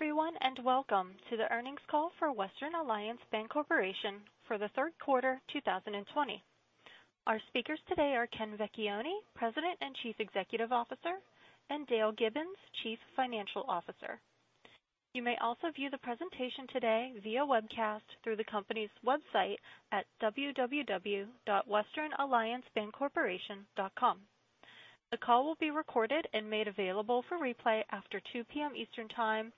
Good day everyone, welcome to the earnings call for Western Alliance Bancorporation for the third quarter 2020. Our speakers today are Ken Vecchione, President and Chief Executive Officer, and Dale Gibbons, Chief Financial Officer. You may also view the presentation today via webcast through the company's website at www.westernalliancebancorporation.com. The call will be recorded and made available for replay after 2:00 P.M. Eastern Time,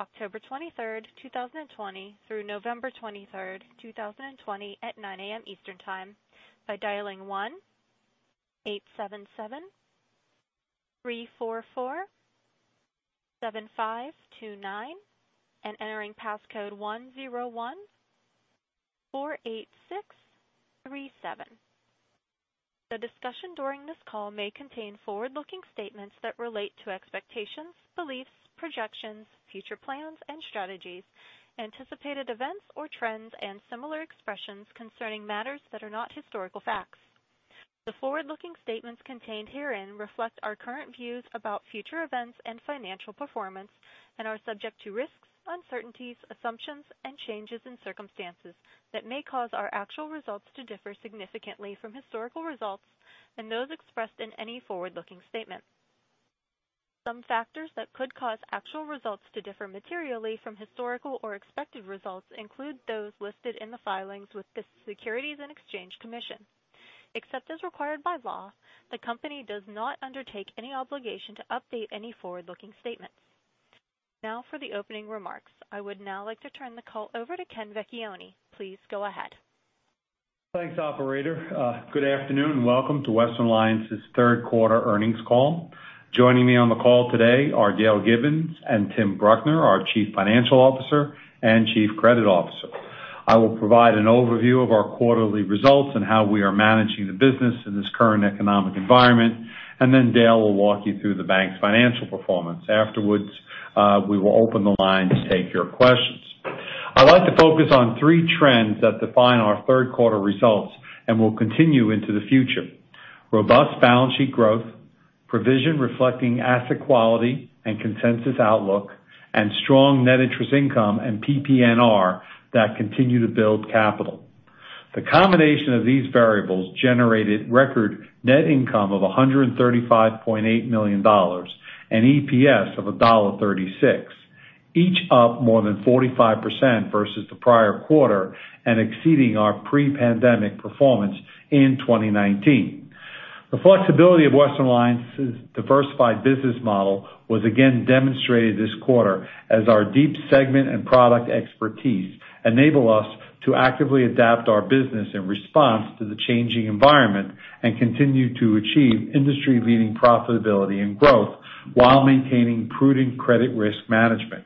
October 23rd, 2020, through November 23rd, 2020, at 9:00 A.M. Eastern Time, by dialing 1-877-344-7529 and entering passcode 10148637. The discussion during this call may contain forward-looking statements that relate to expectations, beliefs, projections, future plans and strategies, anticipated events or trends, and similar expressions concerning matters that are not historical facts. The forward-looking statements contained herein reflect our current views about future events and financial performance and are subject to risks, uncertainties, assumptions and changes in circumstances that may cause our actual results to differ significantly from historical results and those expressed in any forward-looking statement. Some factors that could cause actual results to differ materially from historical or expected results include those listed in the filings with the Securities and Exchange Commission. Except as required by law, the company does not undertake any obligation to update any forward-looking statements. Now for the opening remarks. I would now like to turn the call over to Ken Vecchione. Please go ahead. Thanks, operator. Good afternoon. Welcome to Western Alliance's third quarter earnings call. Joining me on the call today are Dale Gibbons and Tim Bruckner, our Chief Financial Officer and Chief Credit Officer. I will provide an overview of our quarterly results and how we are managing the business in this current economic environment. Then Dale will walk you through the bank's financial performance. Afterwards, we will open the lines to take your questions. I'd like to focus on three trends that define our third quarter results and will continue into the future. Robust balance sheet growth, provision reflecting asset quality and consensus outlook, and strong net interest income and PPNR that continue to build capital. The combination of these variables generated record net income of $135.8 million and EPS of $1.36, each up more than 45% versus the prior quarter and exceeding our pre-pandemic performance in 2019. The flexibility of Western Alliance's diversified business model was again demonstrated this quarter as our deep segment and product expertise enable us to actively adapt our business in response to the changing environment, and continue to achieve industry-leading profitability and growth while maintaining prudent credit risk management.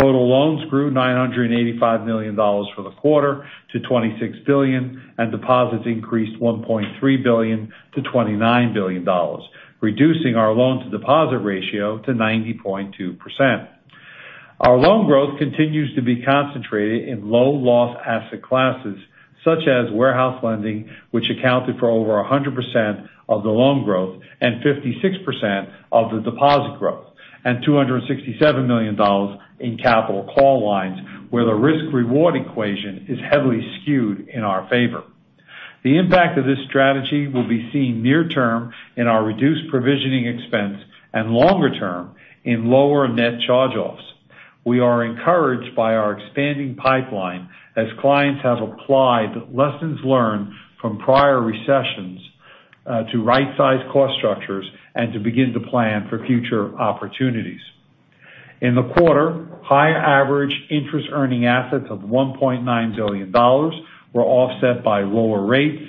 Total loans grew $985 million for the quarter to $26 billion, and deposits increased $1.3 billion-$29 billion, reducing our loan-to-deposit ratio to 90.2%. Our loan growth continues to be concentrated in low-loss asset classes such as warehouse lending, which accounted for over 100% of the loan growth and 56% of the deposit growth, and $267 million in capital call lines, where the risk-reward equation is heavily skewed in our favor. The impact of this strategy will be seen near-term in our reduced provisioning expense and longer-term in lower net charge-offs. We are encouraged by our expanding pipeline as clients have applied lessons learned from prior recessions to right-size cost structures and to begin to plan for future opportunities. In the quarter, higher average interest earning assets of $1.9 billion were offset by lower rates,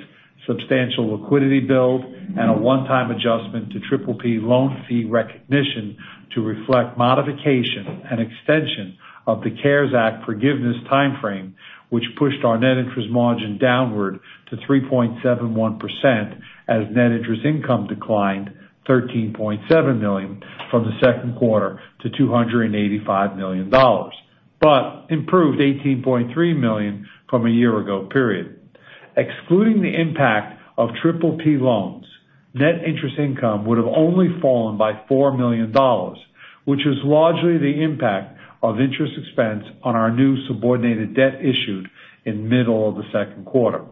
substantial liquidity build, and a one-time adjustment to PPP loan fee recognition to reflect modification and extension of the CARES Act forgiveness timeframe, which pushed our net interest margin downward to 3.71% as net interest income declined $13.7 million from the second quarter to $285 million, but improved $18.3 million from a year ago period. Excluding the impact of PPP loans, net interest income would have only fallen by $4 million, which is largely the impact of interest expense on our new subordinated debt issued in middle of the second quarter.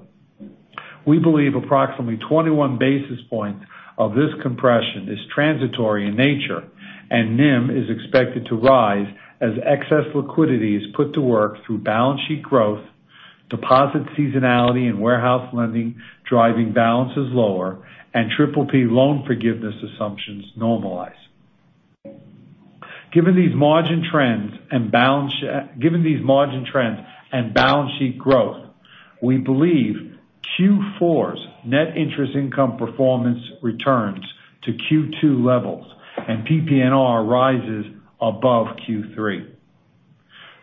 We believe approximately 21 basis points of this compression is transitory in nature, and NIM is expected to rise as excess liquidity is put to work through balance sheet growth, deposit seasonality and warehouse lending driving balances lower, and PPP loan forgiveness assumptions normalize. Given these margin trends and balance sheet growth, we believe Q4's net interest income performance returns to Q2 levels and PPNR rises above Q3.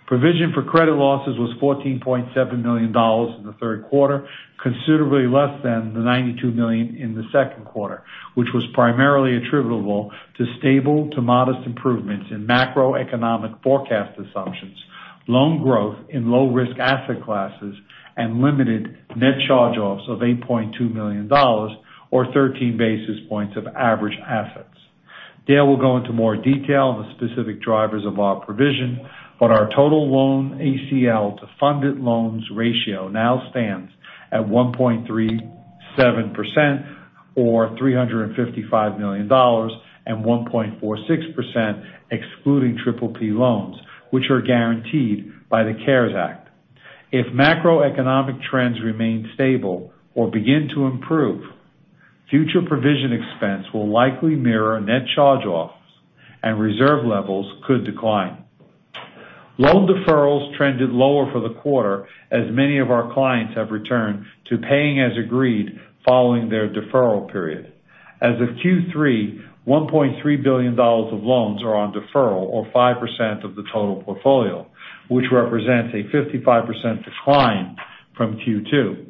Provision for credit losses was $14.7 million in the third quarter, considerably less than the $92 million in the second quarter, which was primarily attributable to stable to modest improvements in macroeconomic forecast assumptions. Loan growth in low-risk asset classes and limited net charge-offs of $8.2 million, or 13 basis points of average assets. Dale will go into more detail on the specific drivers of our provision, but our total loan ACL to funded loans ratio now stands at 1.37%, or $355 million, and 1.46% excluding PPP loans, which are guaranteed by the CARES Act. If macroeconomic trends remain stable or begin to improve, future provision expense will likely mirror net charge-offs, and reserve levels could decline. Loan deferrals trended lower for the quarter, as many of our clients have returned to paying as agreed following their deferral period. As of Q3, $1.3 billion of loans are on deferral, or 5% of the total portfolio, which represents a 55% decline from Q2.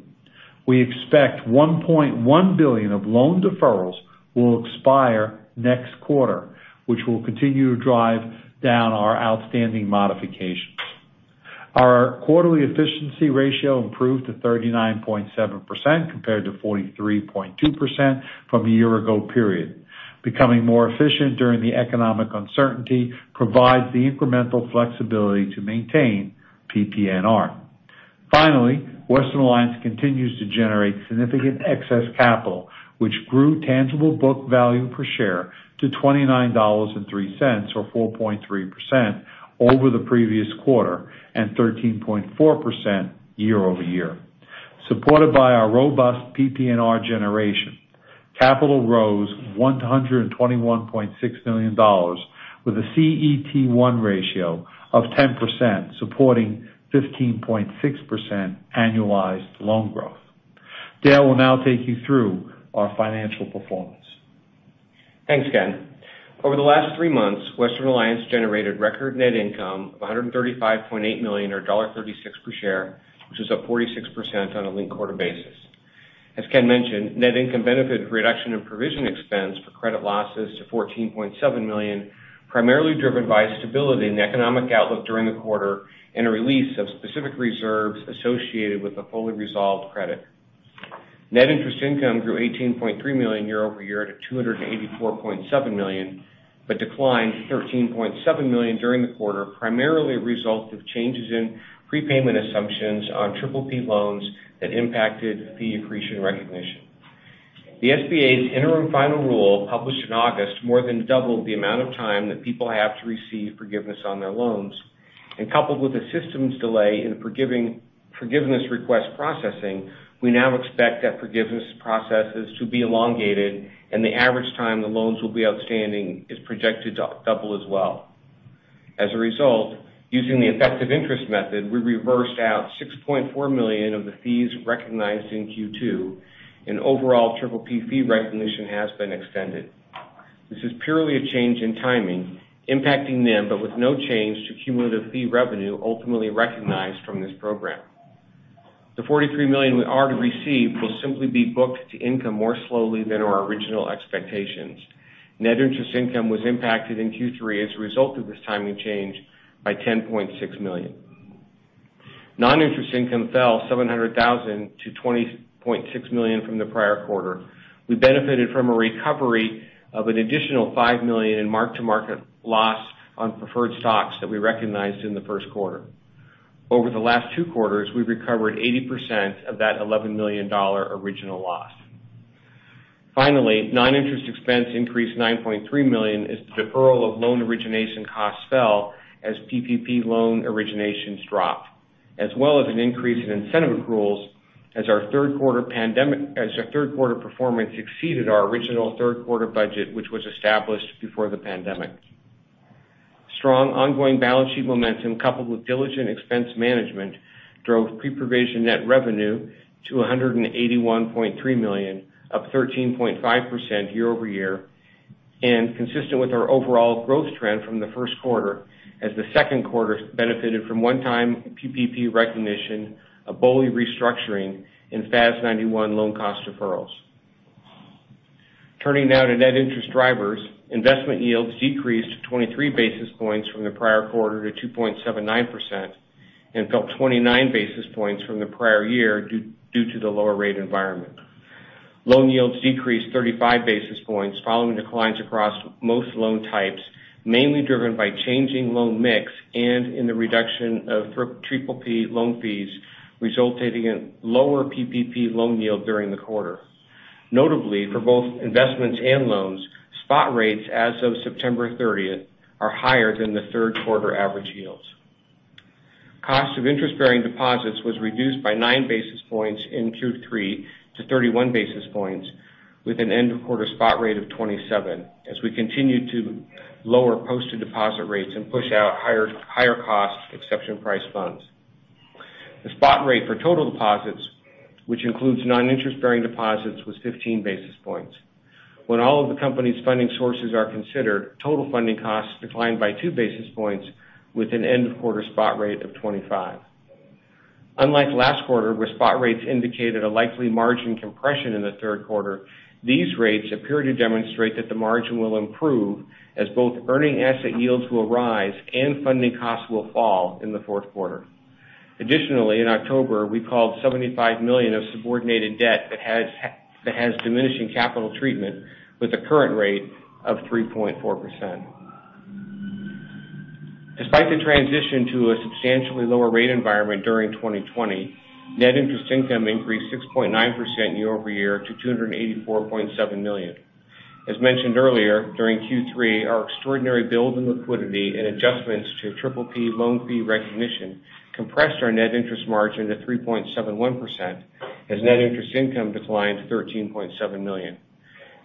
We expect $1.1 billion of loan deferrals will expire next quarter, which will continue to drive down our outstanding modifications. Our quarterly efficiency ratio improved to 39.7% compared to 43.2% from the year ago period. Becoming more efficient during the economic uncertainty provides the incremental flexibility to maintain PPNR. Finally, Western Alliance continues to generate significant excess capital, which grew tangible book value per share to $29.03, or 4.3% over the previous quarter and 13.4% year-over-year. Supported by our robust PPNR generation, capital rose $121.6 million with a CET1 ratio of 10%, supporting 15.6% annualized loan growth. Dale will now take you through our financial performance. Thanks, Ken. Over the last three months, Western Alliance generated record net income of $135.8 million, or $1.36 per share, which is up 46% on a linked quarter basis. As Ken mentioned, net income benefited from a reduction in provision expense for credit losses to $14.7 million, primarily driven by stability in the economic outlook during the quarter and a release of specific reserves associated with the fully resolved credit. Net interest income grew $18.3 million year-over-year to $284.7 million, but declined to $13.7 million during the quarter, primarily a result of changes in prepayment assumptions on PPP loans that impacted fee accretion recognition. The SBA's interim final rule, published in August, more than doubled the amount of time that people have to receive forgiveness on their loans. Coupled with the system's delay in forgiveness request processing, we now expect that forgiveness processes to be elongated and the average time the loans will be outstanding is projected to double as well. As a result, using the effective interest method, we reversed out $6.4 million of the fees recognized in Q2, and overall PPP fee recognition has been extended. This is purely a change in timing, impacting them but with no change to cumulative fee revenue ultimately recognized from this program. The $43 million we are to receive will simply be booked to income more slowly than our original expectations. Net interest income was impacted in Q3 as a result of this timing change by $10.6 million. Non-interest income fell $700,000 to $20.6 million from the prior quarter. We benefited from a recovery of an additional $5 million in mark-to-market loss on preferred stocks that we recognized in the first quarter. Over the last two quarters, we've recovered 80% of that $11 million original loss. Finally, non-interest expense increased to $9.3 million as the deferral of loan origination costs fell as PPP loan originations dropped, as well as an increase in incentive accruals as our third quarter performance exceeded our original third-quarter budget, which was established before the pandemic. Strong ongoing balance sheet momentum, coupled with diligent expense management, drove Pre-Provision Net Revenue to $181.3 million, up 13.5% year-over-year. Consistent with our overall growth trend from the first quarter as the second quarter benefited from one-time PPP recognition, a BOLI restructuring in FAS 91 loan cost deferrals. Turning now to net interest drivers. Investment yields decreased 23 basis points from the prior quarter to 2.79% and fell 29 basis points from the prior year due to the lower rate environment. Loan yields decreased 35 basis points following declines across most loan types, mainly driven by changing loan mix and in the reduction of PPP loan fees, resulting in lower PPP loan yield during the quarter. Notably, for both investments and loans, spot rates as of September 30th are higher than the third quarter average yields. Cost of interest-bearing deposits was reduced by 9 basis points in Q3 to 31 basis points, with an end-of-quarter spot rate of 27 as we continued to lower posted deposit rates and push out higher cost exception price funds. The spot rate for total deposits, which includes non-interest-bearing deposits, was 15 basis points. When all of the company's funding sources are considered, total funding costs declined by 2 basis points with an end-of-quarter spot rate of 25. Unlike last quarter, where spot rates indicated a likely margin compression in the third quarter, these rates appear to demonstrate that the margin will improve as both earning asset yields will rise and funding costs will fall in the fourth quarter. Additionally, in October, we called $75 million of subordinated debt that has diminishing capital treatment with a current rate of 3.4%. Despite the transition to a substantially lower rate environment during 2020, net interest income increased 6.9% year-over-year to $284.7 million. As mentioned earlier, during Q3, our extraordinary build in liquidity and adjustments to PPP loan fee recognition compressed our net interest margin to 3.71%, as net interest income declined to $13.7 million.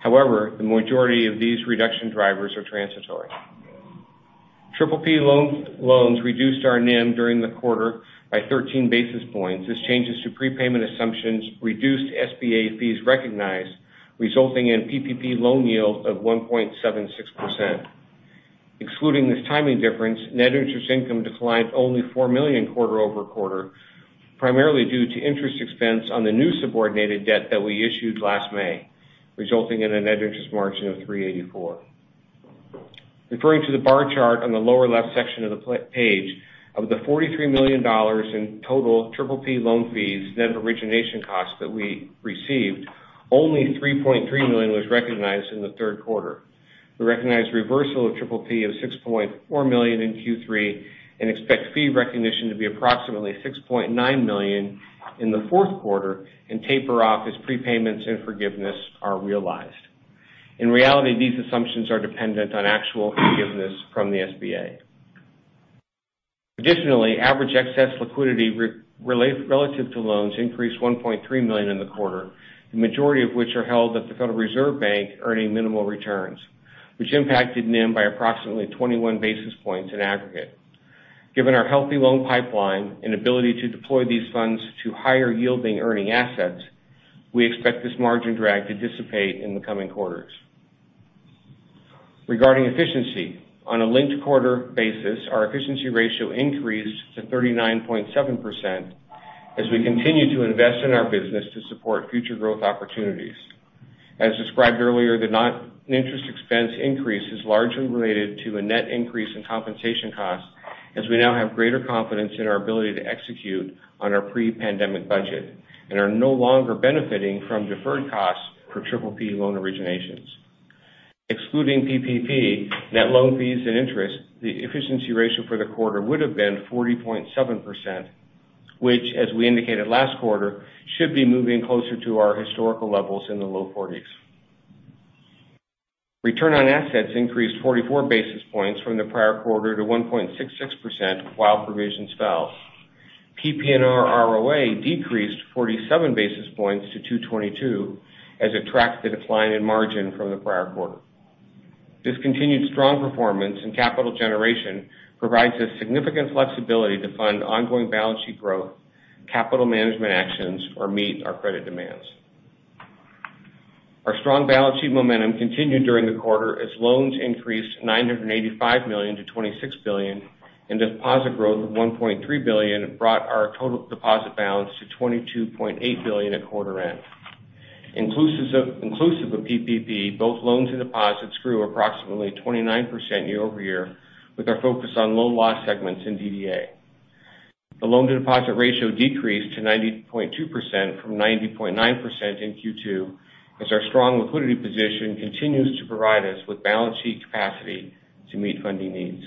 The majority of these reduction drivers are transitory. PPP loans reduced our NIM during the quarter by 13 basis points as changes to prepayment assumptions reduced SBA fees recognized, resulting in PPP loan yield of 1.76%. Excluding this timing difference, net interest income declined only $4 million quarter-over-quarter, primarily due to interest expense on the new subordinated debt that we issued last May, resulting in a net interest margin of 3.84%. Referring to the bar chart on the lower left section of the page, of the $43 million in total PPP loan fees, net origination costs that we received, only $3.3 million was recognized in the third quarter. We recognized reversal of PPP of $6.4 million in Q3 and expect fee recognition to be approximately $6.9 million in the fourth quarter and taper off as prepayments and forgiveness are realized. In reality, these assumptions are dependent on actual forgiveness from the SBA. Additionally, average excess liquidity relative to loans increased $1.3 million in the quarter, the majority of which are held at the Federal Reserve Bank, earning minimal returns, which impacted NIM by approximately 21 basis points in aggregate. Given our healthy loan pipeline and ability to deploy these funds to higher yielding earning assets, we expect this margin drag to dissipate in the coming quarters. Regarding efficiency, on a linked quarter basis, our efficiency ratio increased to 39.7% as we continue to invest in our business to support future growth opportunities. As described earlier, the non-interest expense increase is largely related to a net increase in compensation costs as we now have greater confidence in our ability to execute on our pre-pandemic budget and are no longer benefiting from deferred costs for PPP loan originations. Excluding PPP net loan fees and interest, the efficiency ratio for the quarter would have been 40.7%, which, as we indicated last quarter, should be moving closer to our historical levels in the low 40s. Return on assets increased 44 basis points from the prior quarter to 1.66%, while provisions fell. PPNR ROA decreased 47 basis points to 2.22% as it tracked the decline in margin from the prior quarter. This continued strong performance in capital generation provides us significant flexibility to fund ongoing balance sheet growth, capital management actions, or meet our credit demands. Our strong balance sheet momentum continued during the quarter as loans increased $985 million-$26 billion and deposit growth of $1.3 billion brought our total deposit balance to $22.8 billion at quarter end. Inclusive of PPP, both loans and deposits grew approximately 29% year-over-year with our focus on low loss segments in DDA. The loan-to-deposit ratio decreased to 90.2% from 90.9% in Q2 as our strong liquidity position continues to provide us with balance sheet capacity to meet funding needs.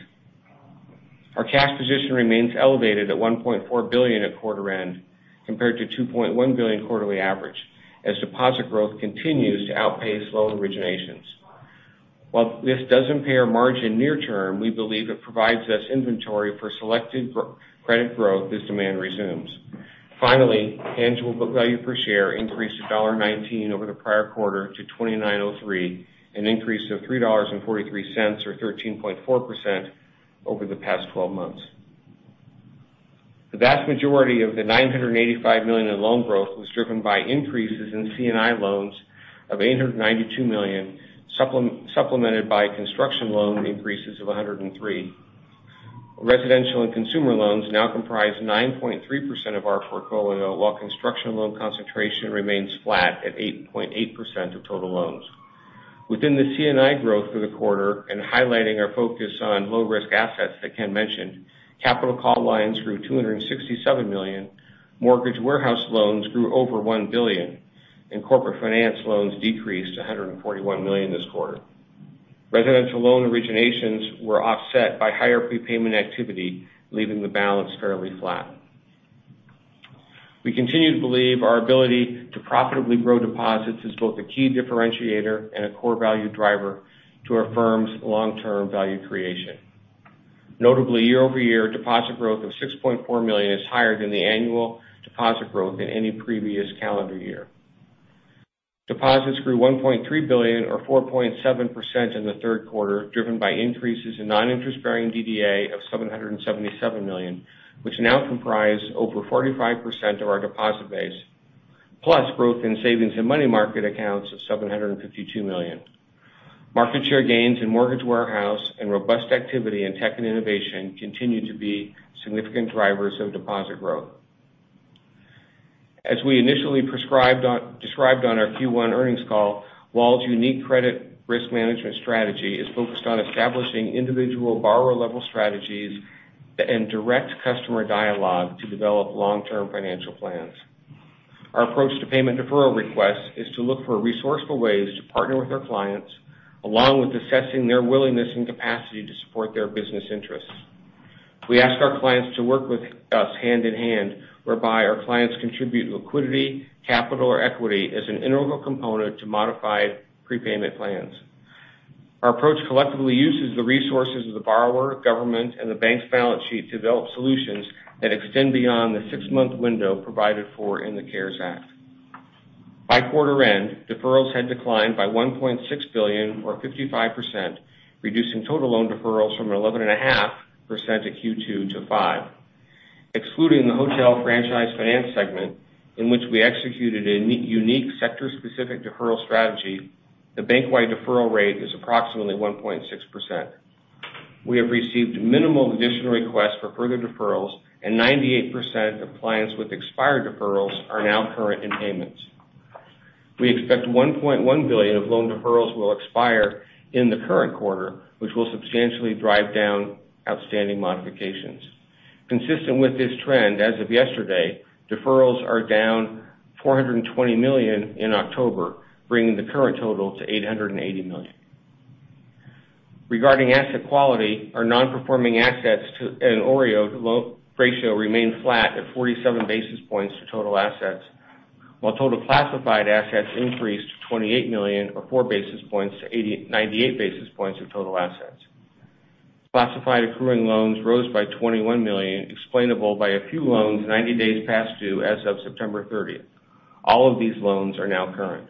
Our cash position remains elevated at $1.4 billion at quarter end compared to $2.1 billion quarterly average as deposit growth continues to outpace loan originations. While this does impair margin near term, we believe it provides us inventory for selected credit growth as demand resumes. Finally, tangible book value per share increased to $1.19 over the prior quarter to $29.03, an increase of $3.43 or 13.4% over the past 12 months. The vast majority of the $985 million in loan growth was driven by increases in C&I loans of $892 million, supplemented by construction loan increases of $103 million. Residential and consumer loans now comprise 9.3% of our portfolio while construction loan concentration remains flat at 8.8% of total loans. Within the C&I growth for the quarter and highlighting our focus on low risk assets that Ken mentioned, capital call lines grew $267 million, mortgage warehouse loans grew over $1 billion, and corporate finance loans decreased to $141 million this quarter. Residential loan originations were offset by higher prepayment activity, leaving the balance fairly flat. We continue to believe our ability to profitably grow deposits is both a key differentiator and a core value driver to our firm's long-term value creation. Notably, year-over-year deposit growth of $6.4 million is higher than the annual deposit growth in any previous calendar year. Deposits grew $1.3 billion or 4.7% in the third quarter, driven by increases in non-interest bearing DDA of $777 million, which now comprise over 45% of our deposit base, plus growth in savings and money market accounts of $752 million. Market share gains in mortgage warehouse and robust activity in tech and innovation continue to be significant drivers of deposit growth. As we initially described on our Q1 earnings call, WAL's unique credit risk management strategy is focused on establishing individual borrower level strategies and direct customer dialogue to develop long-term financial plans. Our approach to payment deferral requests is to look for resourceful ways to partner with our clients, along with assessing their willingness and capacity to support their business interests. We ask our clients to work with us hand in hand, whereby our clients contribute liquidity, capital or equity as an integral component to modified prepayment plans. Our approach collectively uses the resources of the borrower, government, and the bank's balance sheet to develop solutions that extend beyond the six-month window provided for in the CARES Act. By quarter end, deferrals had declined by $1.6 billion or 55%, reducing total loan deferrals from 11.5% at Q2 to 5%. Excluding the hotel franchise finance segment, in which we executed a unique sector specific deferral strategy, the bank-wide deferral rate is approximately 1.6%. We have received minimal additional requests for further deferrals, 98% of clients with expired deferrals are now current in payments. We expect $1.1 billion of loan deferrals will expire in the current quarter, which will substantially drive down outstanding modifications. Consistent with this trend, as of yesterday, deferrals are down $420 million in October, bringing the current total to $880 million. Regarding asset quality, our non-performing assets to an OREO loan ratio remains flat at 47 basis points to total assets, while total classified assets increased to $28 million or four basis points to 98 basis points of total assets. Classified accruing loans rose by $21 million, explainable by a few loans 90 days past due as of September 30th. All of these loans are now current.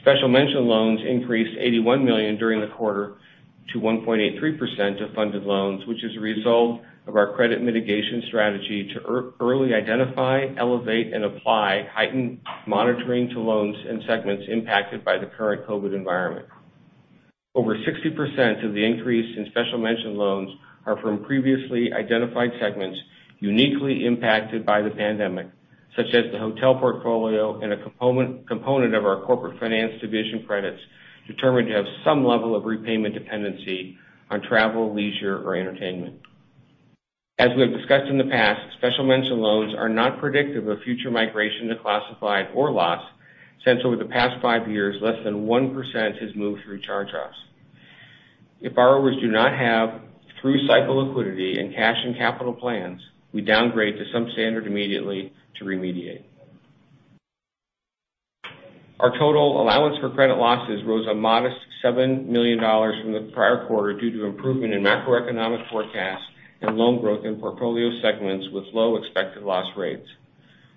Special mention loans increased $81 million during the quarter to 1.83% of funded loans, which is a result of our credit mitigation strategy to early identify, elevate, and apply heightened monitoring to loans and segments impacted by the current COVID environment. Over 60% of the increase in Special Mention loans are from previously identified segments uniquely impacted by the pandemic, such as the hotel portfolio and a component of our corporate finance division credits determined to have some level of repayment dependency on travel, leisure, or entertainment. As we have discussed in the past, Special Mention loans are not predictive of future migration to classified or loss, since over the past five years, less than 1% has moved through charge-offs. If borrowers do not have through cycle liquidity and cash and capital plans, we downgrade to some standard immediately to remediate. Our total Allowance for Credit Losses rose a modest $7 million from the prior quarter due to improvement in macroeconomic forecast and loan growth in portfolio segments with low expected loss rates.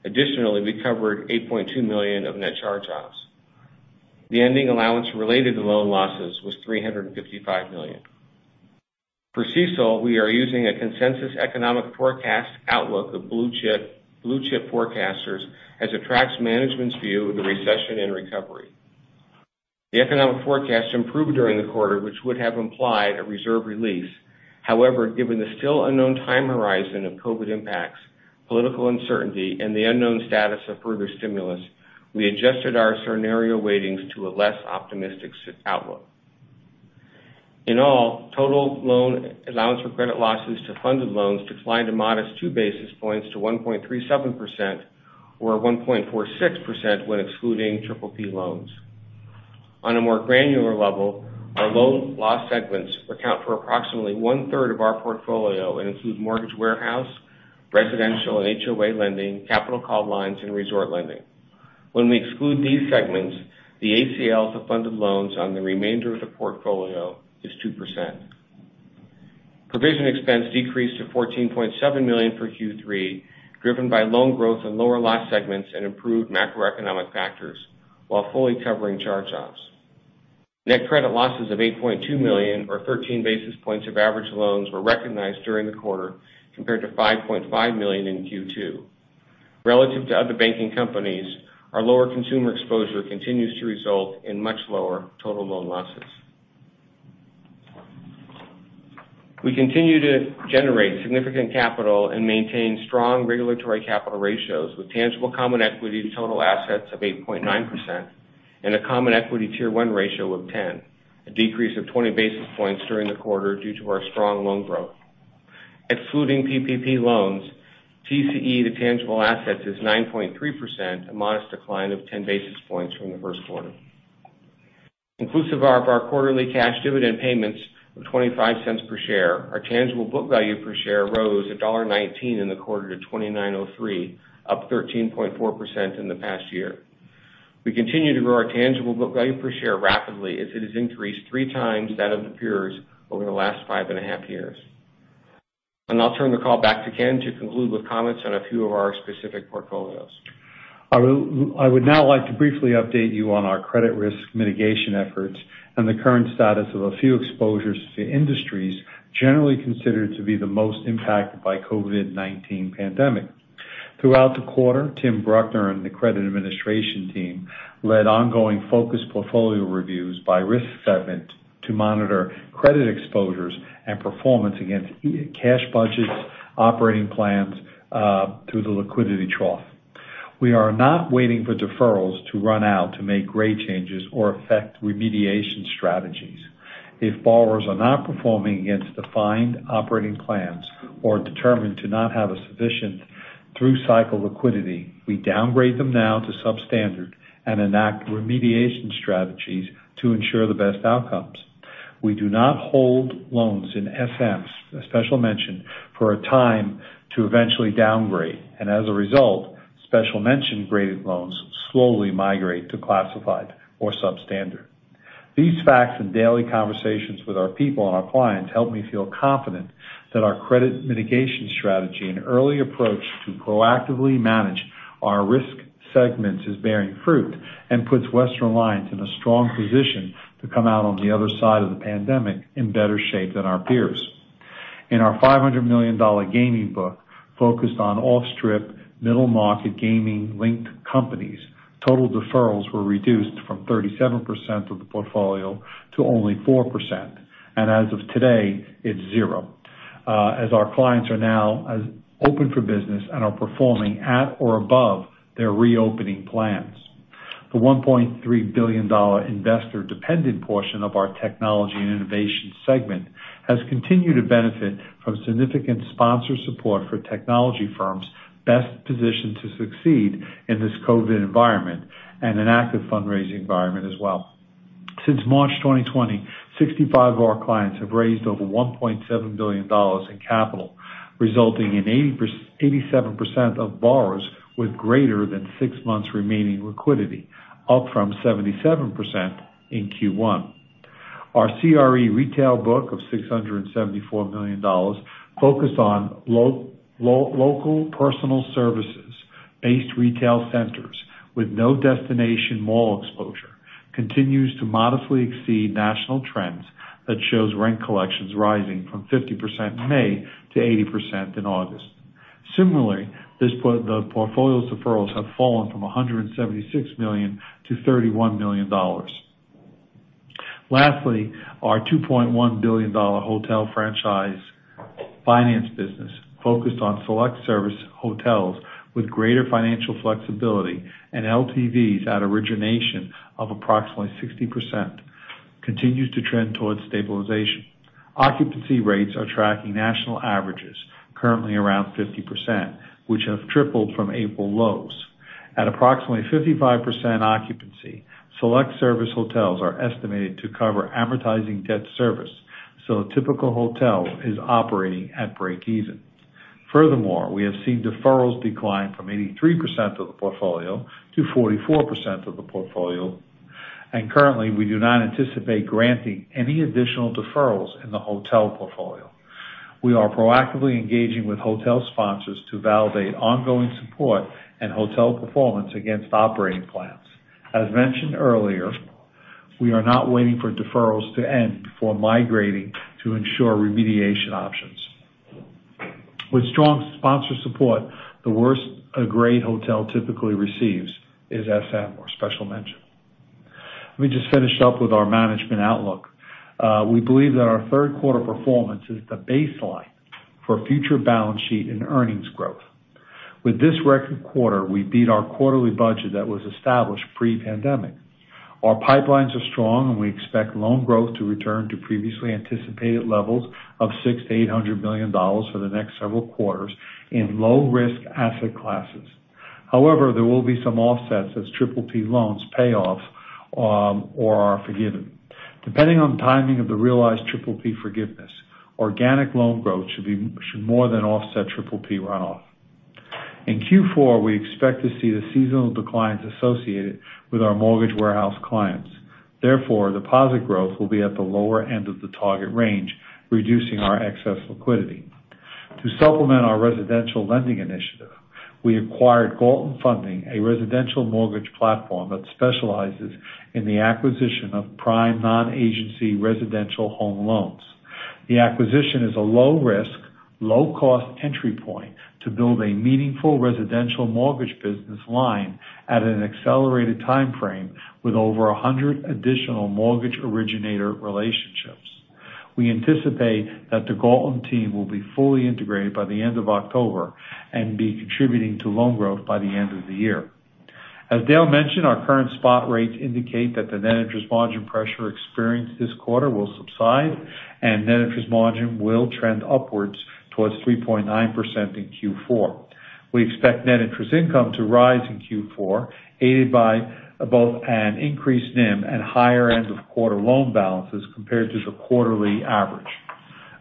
Additionally, we covered $8.2 million of net charge-offs. The ending allowance related to loan losses was $355 million. For CECL, we are using a consensus economic forecast outlook of blue-chip forecasters as it tracks management's view of the recession and recovery. The economic forecast improved during the quarter, which would have implied a reserve release. However, given the still unknown time horizon of COVID impacts, political uncertainty, and the unknown status of further stimulus, we adjusted our scenario weightings to a less optimistic outlook. In all, total loan Allowance for Credit Losses to funded loans declined a modest two basis points to 1.37%, or 1.46% when excluding PPP loans. On a more granular level, our loan loss segments account for approximately one-third of our portfolio and include mortgage warehouse, residential and HOA lending, capital call lines, and resort lending. When we exclude these segments, the ACLs of funded loans on the remainder of the portfolio is 2%. Provision expense decreased to $14.7 million for Q3, driven by loan growth in lower loss segments and improved macroeconomic factors while fully covering charge-offs. Net credit losses of $8.2 million or 13 basis points of average loans were recognized during the quarter, compared to $5.5 million in Q2. Relative to other banking companies, our lower consumer exposure continues to result in much lower total loan losses. We continue to generate significant capital and maintain strong regulatory capital ratios with tangible common equity to total assets of 8.9% and a Common Equity Tier 1 ratio of 10%, a decrease of 20 basis points during the quarter due to our strong loan growth. Excluding PPP loans, TCE to tangible assets is 9.3%, a modest decline of 10 basis points from the first quarter. Inclusive of our quarterly cash dividend payments of $0.25 per share, our tangible book value per share rose $1.19 in the quarter to $29.03, up 13.4% in the past year. We continue to grow our tangible book value per share rapidly as it has increased 3x that of the peers over the last five and a half years. I'll turn the call back to Ken to conclude with comments on a few of our specific portfolios. I would now like to briefly update you on our credit risk mitigation efforts and the current status of a few exposures to industries generally considered to be the most impacted by COVID-19 pandemic. Throughout the quarter, Tim Bruckner and the credit administration team led ongoing focused portfolio reviews by risk segment to monitor credit exposures and performance against cash budgets, operating plans through the liquidity trough. We are not waiting for deferrals to run out to make grade changes or affect remediation strategies. If borrowers are not performing against defined operating plans or determined to not have a sufficient through-cycle liquidity, we downgrade them now to substandard and enact remediation strategies to ensure the best outcomes. We do not hold loans in SMs, Special Mention, for a time to eventually downgrade, and as a result, Special Mention-graded loans slowly migrate to classified or substandard. These facts and daily conversations with our people and our clients help me feel confident that our credit mitigation strategy and early approach to proactively manage our risk segments is bearing fruit and puts Western Alliance in a strong position to come out on the other side of the pandemic in better shape than our peers. In our $500 million gaming book focused on off-strip, middle-market gaming linked companies, total deferrals were reduced from 37% of the portfolio to only 4%, and as of today, it's zero, as our clients are now open for business and are performing at or above their reopening plans. The $1.3 billion investor-dependent portion of our technology and innovation segment has continued to benefit from significant sponsor support for technology firms best positioned to succeed in this COVID environment and an active fundraising environment as well. Since March 2020, 65 of our clients have raised over $1.7 billion in capital, resulting in 87% of borrowers with greater than six months remaining liquidity, up from 77% in Q1. Our CRE retail book of $674 million focused on local personal services-based retail centers with no destination mall exposure continues to modestly exceed national trends that shows rent collections rising from 50% in May to 80% in August. Similarly, the portfolio's deferrals have fallen from $176 million-$31 million. Lastly, our $2.1 billion hotel franchise finance business focused on select service hotels with greater financial flexibility and LTVs at origination of approximately 60% continues to trend towards stabilization. Occupancy rates are tracking national averages currently around 50%, which have tripled from April lows. At approximately 55% occupancy, select service hotels are estimated to cover advertising debt service, so a typical hotel is operating at breakeven. Furthermore, we have seen deferrals decline from 83% of the portfolio to 44% of the portfolio. Currently, we do not anticipate granting any additional deferrals in the hotel portfolio. We are proactively engaging with hotel sponsors to validate ongoing support and hotel performance against operating plans. As mentioned earlier, we are not waiting for deferrals to end before migrating to ensure remediation options. With strong sponsor support, the worst a grade hotel typically receives is SM or special mention. Let me just finish up with our management outlook. We believe that our third quarter performance is the baseline for future balance sheet and earnings growth. With this record quarter, we beat our quarterly budget that was established pre-pandemic. Our pipelines are strong. We expect loan growth to return to previously anticipated levels of $600 million-$800 million for the next several quarters in low-risk asset classes. However, there will be some offsets as PPP loans pay off or are forgiven. Depending on the timing of the realized PPP forgiveness, organic loan growth should more than offset PPP runoff. In Q4, we expect to see the seasonal declines associated with our mortgage warehouse clients. Therefore, deposit growth will be at the lower end of the target range, reducing our excess liquidity. To supplement our residential lending initiative, we acquired Galton Funding, a residential mortgage platform that specializes in the acquisition of prime non-agency residential home loans. The acquisition is a low-risk, low-cost entry point to build a meaningful residential mortgage business line at an accelerated timeframe with over 100 additional mortgage originator relationships. We anticipate that the Galton team will be fully integrated by the end of October and be contributing to loan growth by the end of the year. As Dale mentioned, our current spot rates indicate that the net interest margin pressure experienced this quarter will subside, and net interest margin will trend upwards towards 3.9% in Q4. We expect net interest income to rise in Q4, aided by both an increased NIM and higher end of quarter loan balances compared to the quarterly average.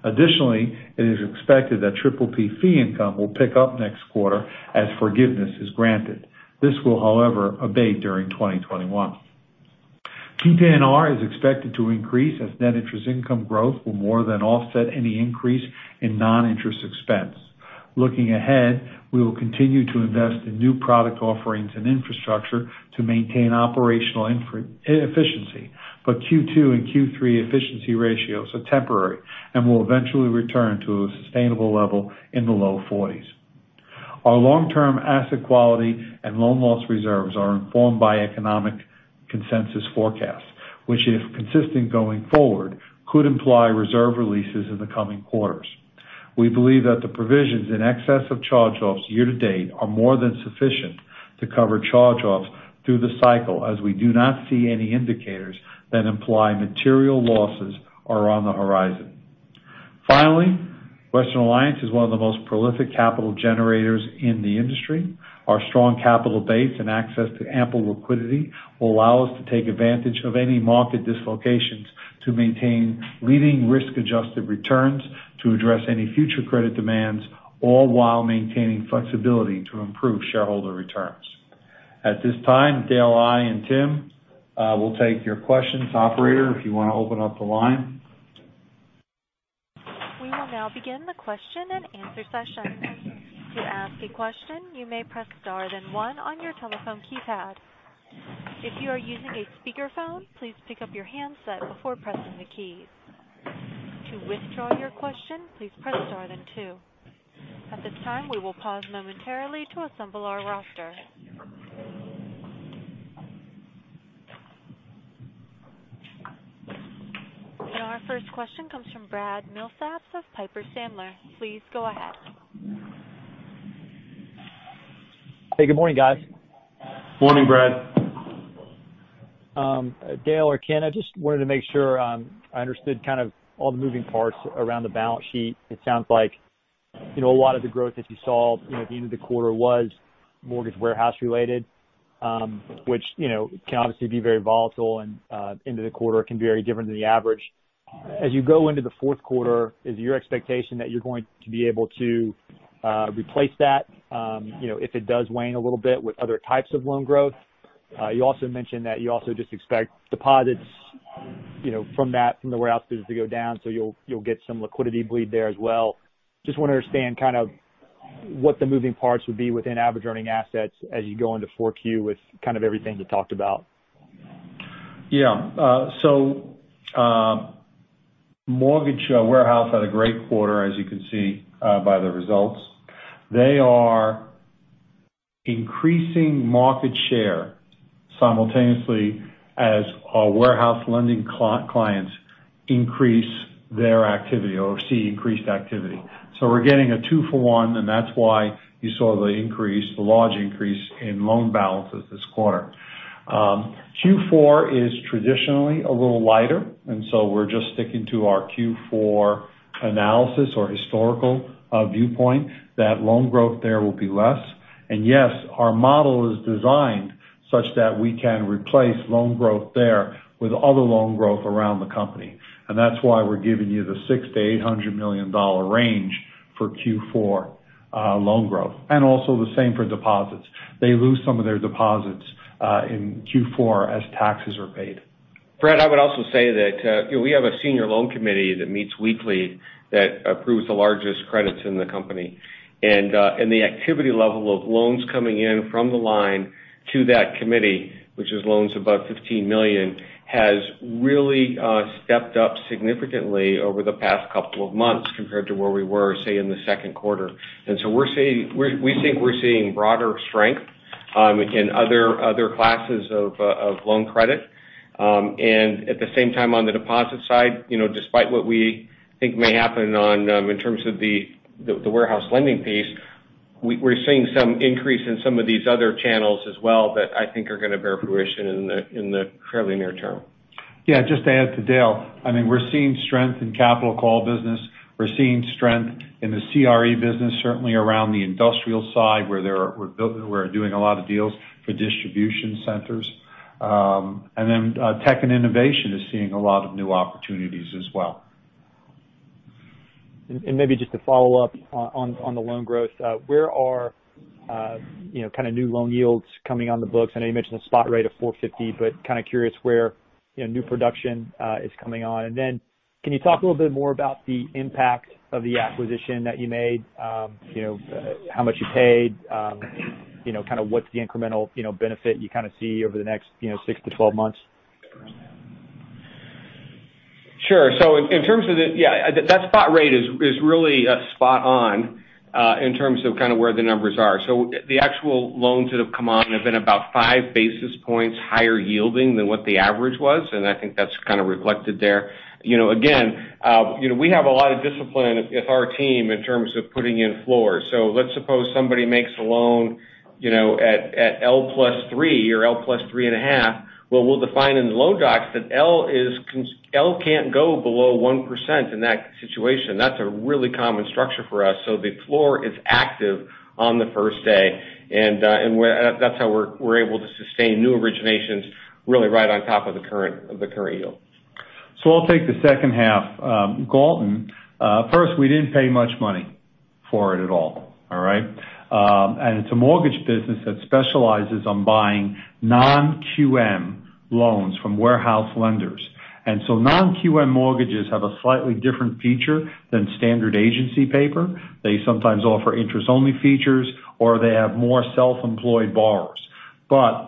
Additionally, it is expected that PPP fee income will pick up next quarter as forgiveness is granted. This will, however, abate during 2021. PPNR is expected to increase as net interest income growth will more than offset any increase in non-interest expense. Looking ahead, we will continue to invest in new product offerings and infrastructure to maintain operational efficiency, but Q2 and Q3 efficiency ratios are temporary and will eventually return to a sustainable level in the low 40s. Our long-term asset quality and loan loss reserves are informed by economic consensus forecasts, which if consistent going forward, could imply reserve releases in the coming quarters. We believe that the provisions in excess of charge-offs year-to-date are more than sufficient to cover charge-offs through the cycle, as we do not see any indicators that imply material losses are on the horizon. Finally, Western Alliance is one of the most prolific capital generators in the industry. Our strong capital base and access to ample liquidity will allow us to take advantage of any market dislocations to maintain leading risk-adjusted returns to address any future credit demands, all while maintaining flexibility to improve shareholder returns. At this time, Dale, I, and Tim will take your questions. Operator, if you want to open up the line. We will now begin the question-and-answer session. To ask a question you may press star then one on your telephone keypad. If you are using a speakerphone, please pick up your handset before pressing the keys. To withdraw your questions, please press star then two. At this time we will pause momentarily to assemble our roster. Our first question comes from Brad Milsaps of Piper Sandler. Please go ahead. Hey, good morning, guys. Morning, Brad. Dale or Ken, I just wanted to make sure I understood kind of all the moving parts around the balance sheet. It sounds like a lot of the growth that you saw at the end of the quarter was mortgage warehouse related, which can obviously be very volatile and end of the quarter can be very different than the average. As you go into the fourth quarter, is your expectation that you're going to be able to replace that if it does wane a little bit with other types of loan growth? You also mentioned that you also just expect deposits from the warehouse business to go down, so you'll get some liquidity bleed there as well. Just want to understand kind of what the moving parts would be within average earning assets as you go into 4Q with kind of everything you talked about. Mortgage warehouse had a great quarter, as you can see by the results. They are increasing market share simultaneously as our warehouse lending clients increase their activity or see increased activity. We're getting a two-for-one, that's why you saw the large increase in loan balances this quarter. Q4 is traditionally a little lighter, we're just sticking to our Q4 analysis or historical viewpoint that loan growth there will be less. Yes, our model is designed such that we can replace loan growth there with other loan growth around the company. That's why we're giving you the $600 million-$800 million range for Q4 loan growth. Also the same for deposits. They lose some of their deposits in Q4 as taxes are paid. Brad, I would also say that we have a senior loan committee that meets weekly that approves the largest credits in the company. The activity level of loans coming in from the line to that committee, which is loans above $15 million, has really stepped up significantly over the past couple of months compared to where we were, say, in the second quarter. We think we're seeing broader strength in other classes of loan credit. At the same time, on the deposit side, despite what we think may happen in terms of the warehouse lending piece, we're seeing some increase in some of these other channels as well that I think are going to bear fruition in the fairly near term. Yeah, just to add to Dale, we're seeing strength in capital call business. We're seeing strength in the CRE business, certainly around the industrial side, where we're doing a lot of deals for distribution centers. Then tech and innovation is seeing a lot of new opportunities as well. Maybe just to follow up on the loan growth, where are kind of new loan yields coming on the books? I know you mentioned a spot rate of 4.50%, kind of curious where new production is coming on. Can you talk a little bit more about the impact of the acquisition that you made? How much you paid, kind of what's the incremental benefit you kind of see over the next 6-12 months? Sure. In terms of yeah, that spot rate is really spot on in terms of kind of where the numbers are. The actual loans that have come on have been about 5 basis points higher yielding than what the average was, and I think that's kind of reflected there. Again, we have a lot of discipline with our team in terms of putting in floors. Let's suppose somebody makes a loan at L+3 or L+3.5. Well, we'll define in the loan docs that L can't go below 1% in that situation. That's a really common structure for us. The floor is active on the first day, and that's how we're able to sustain new originations really right on top of the current yield. I'll take the second half. Galton. First, we didn't pay much money for it at all. All right? It's a mortgage business that specializes on buying non-QM loans from warehouse lenders. Non-QM mortgages have a slightly different feature than standard agency paper. They sometimes offer interest-only features, or they have more self-employed borrowers.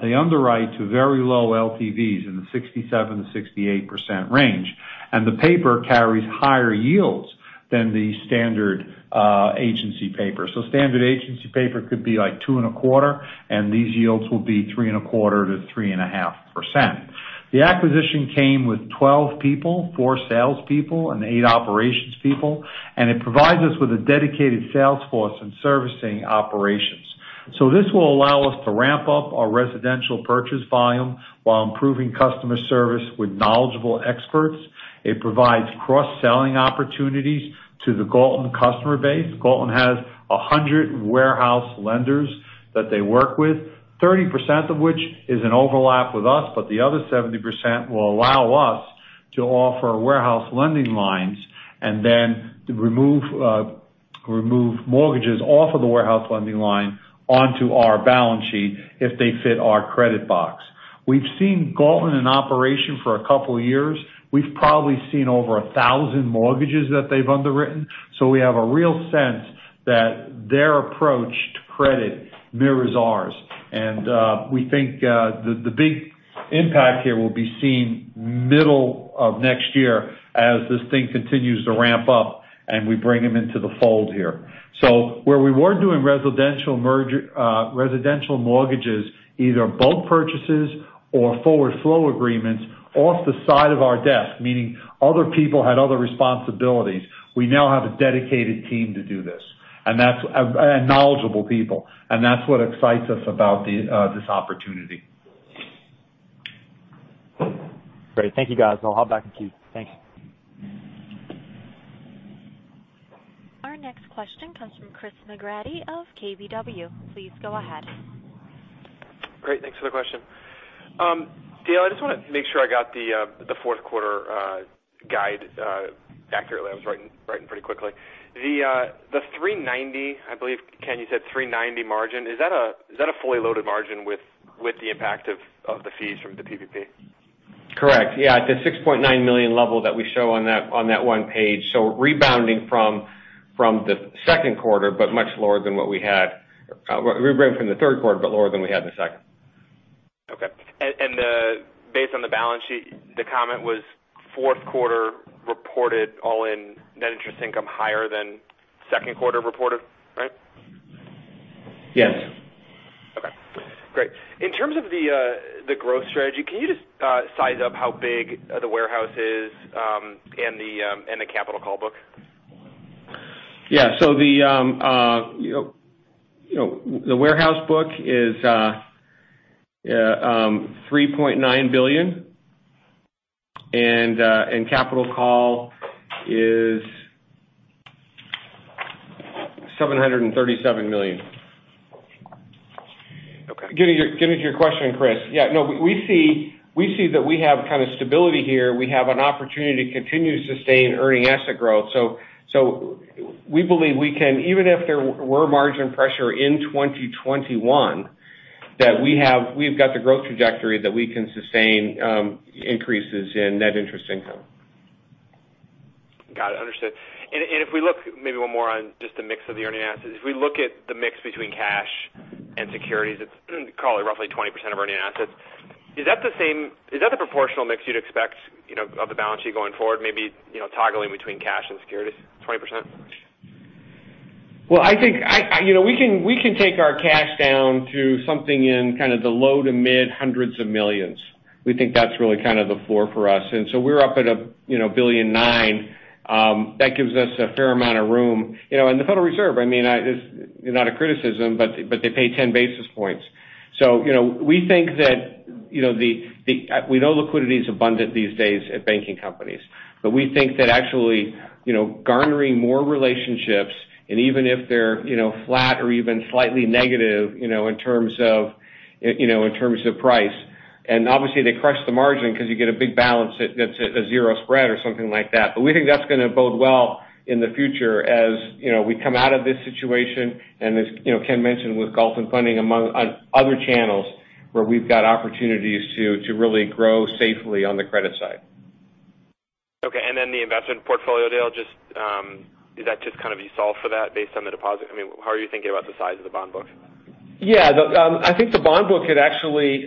They underwrite to very low LTVs in the 67%-68% range, and the paper carries higher yields than the standard agency paper. Standard agency paper could be like 2.25%, and these yields will be 3.25%-3.5%. The acquisition came with 12 people, four salespeople, and eight operations people, and it provides us with a dedicated sales force and servicing operations. This will allow us to ramp up our residential purchase volume while improving customer service with knowledgeable experts. It provides cross-selling opportunities to the Galton customer base. Galton has 100 warehouse lenders that they work with, 30% of which is an overlap with us, but the other 70% will allow us to offer warehouse lending lines and then remove mortgages off of the warehouse lending line onto our balance sheet if they fit our credit box. We've seen Galton in operation for a couple of years. We've probably seen over 1,000 mortgages that they've underwritten. We have a real sense that their approach to credit mirrors ours. We think the big impact here will be seen middle of next year as this thing continues to ramp up and we bring them into the fold here. Where we were doing residential mortgages, either bulk purchases or forward flow agreements off the side of our desk, meaning other people had other responsibilities. We now have a dedicated team to do this and knowledgeable people, and that's what excites us about this opportunity. Great. Thank you, guys. I'll hop back in queue. Thanks. Our next question comes from Chris McGratty of KBW. Please go ahead. Great. Thanks for the question. Dale, I just want to make sure I got the fourth quarter guide accurately. I was writing pretty quickly. The 390, I believe, Ken, you said 390 margin. Is that a fully loaded margin with the impact of the fees from the PPP? Correct. Yeah, at the $6.9 million level that we show on that one page, rebounding from the second quarter, but much lower than what we had. Rebounding from the third quarter, but lower than we had in the second. Okay. Based on the balance sheet, the comment was fourth quarter reported all in net interest income higher than second quarter reported, right? Yes. Okay, great. In terms of the growth strategy, can you just size up how big the warehouse is and the capital call book? Yeah. The warehouse book is $3.9 billion, and capital call is $737 million. Okay. Getting to your question, Chris. Yeah, no, we see that we have kind of stability here. We have an opportunity to continue to sustain earning asset growth. We believe we can, even if there were margin pressure in 2021, that we've got the growth trajectory that we can sustain increases in net interest income. Got it. Understood. If we look maybe one more on just the mix of the earning assets. If we look at the mix between cash and securities, it's call it roughly 20% of earning assets. Is that the proportional mix you'd expect of the balance sheet going forward? Maybe toggling between cash and securities 20%? Well, I think we can take our cash down to something in kind of the low to mid hundreds of millions. We think that's really kind of the floor for us. We're up at $1.9 billion. That gives us a fair amount of room. The Federal Reserve, it's not a criticism, but they pay 10 basis points. We know liquidity is abundant these days at banking companies, but we think that actually garnering more relationships and even if they're flat or even slightly negative in terms of price. Obviously they crush the margin because you get a big balance that's at zero spread or something like that. We think that's going to bode well in the future as we come out of this situation. As Ken mentioned with Galton Funding among other channels where we've got opportunities to really grow safely on the credit side. Okay. The investment portfolio, Dale, that just kind of you solve for that based on the deposit? How are you thinking about the size of the bond book? Yeah. I think the bond book had actually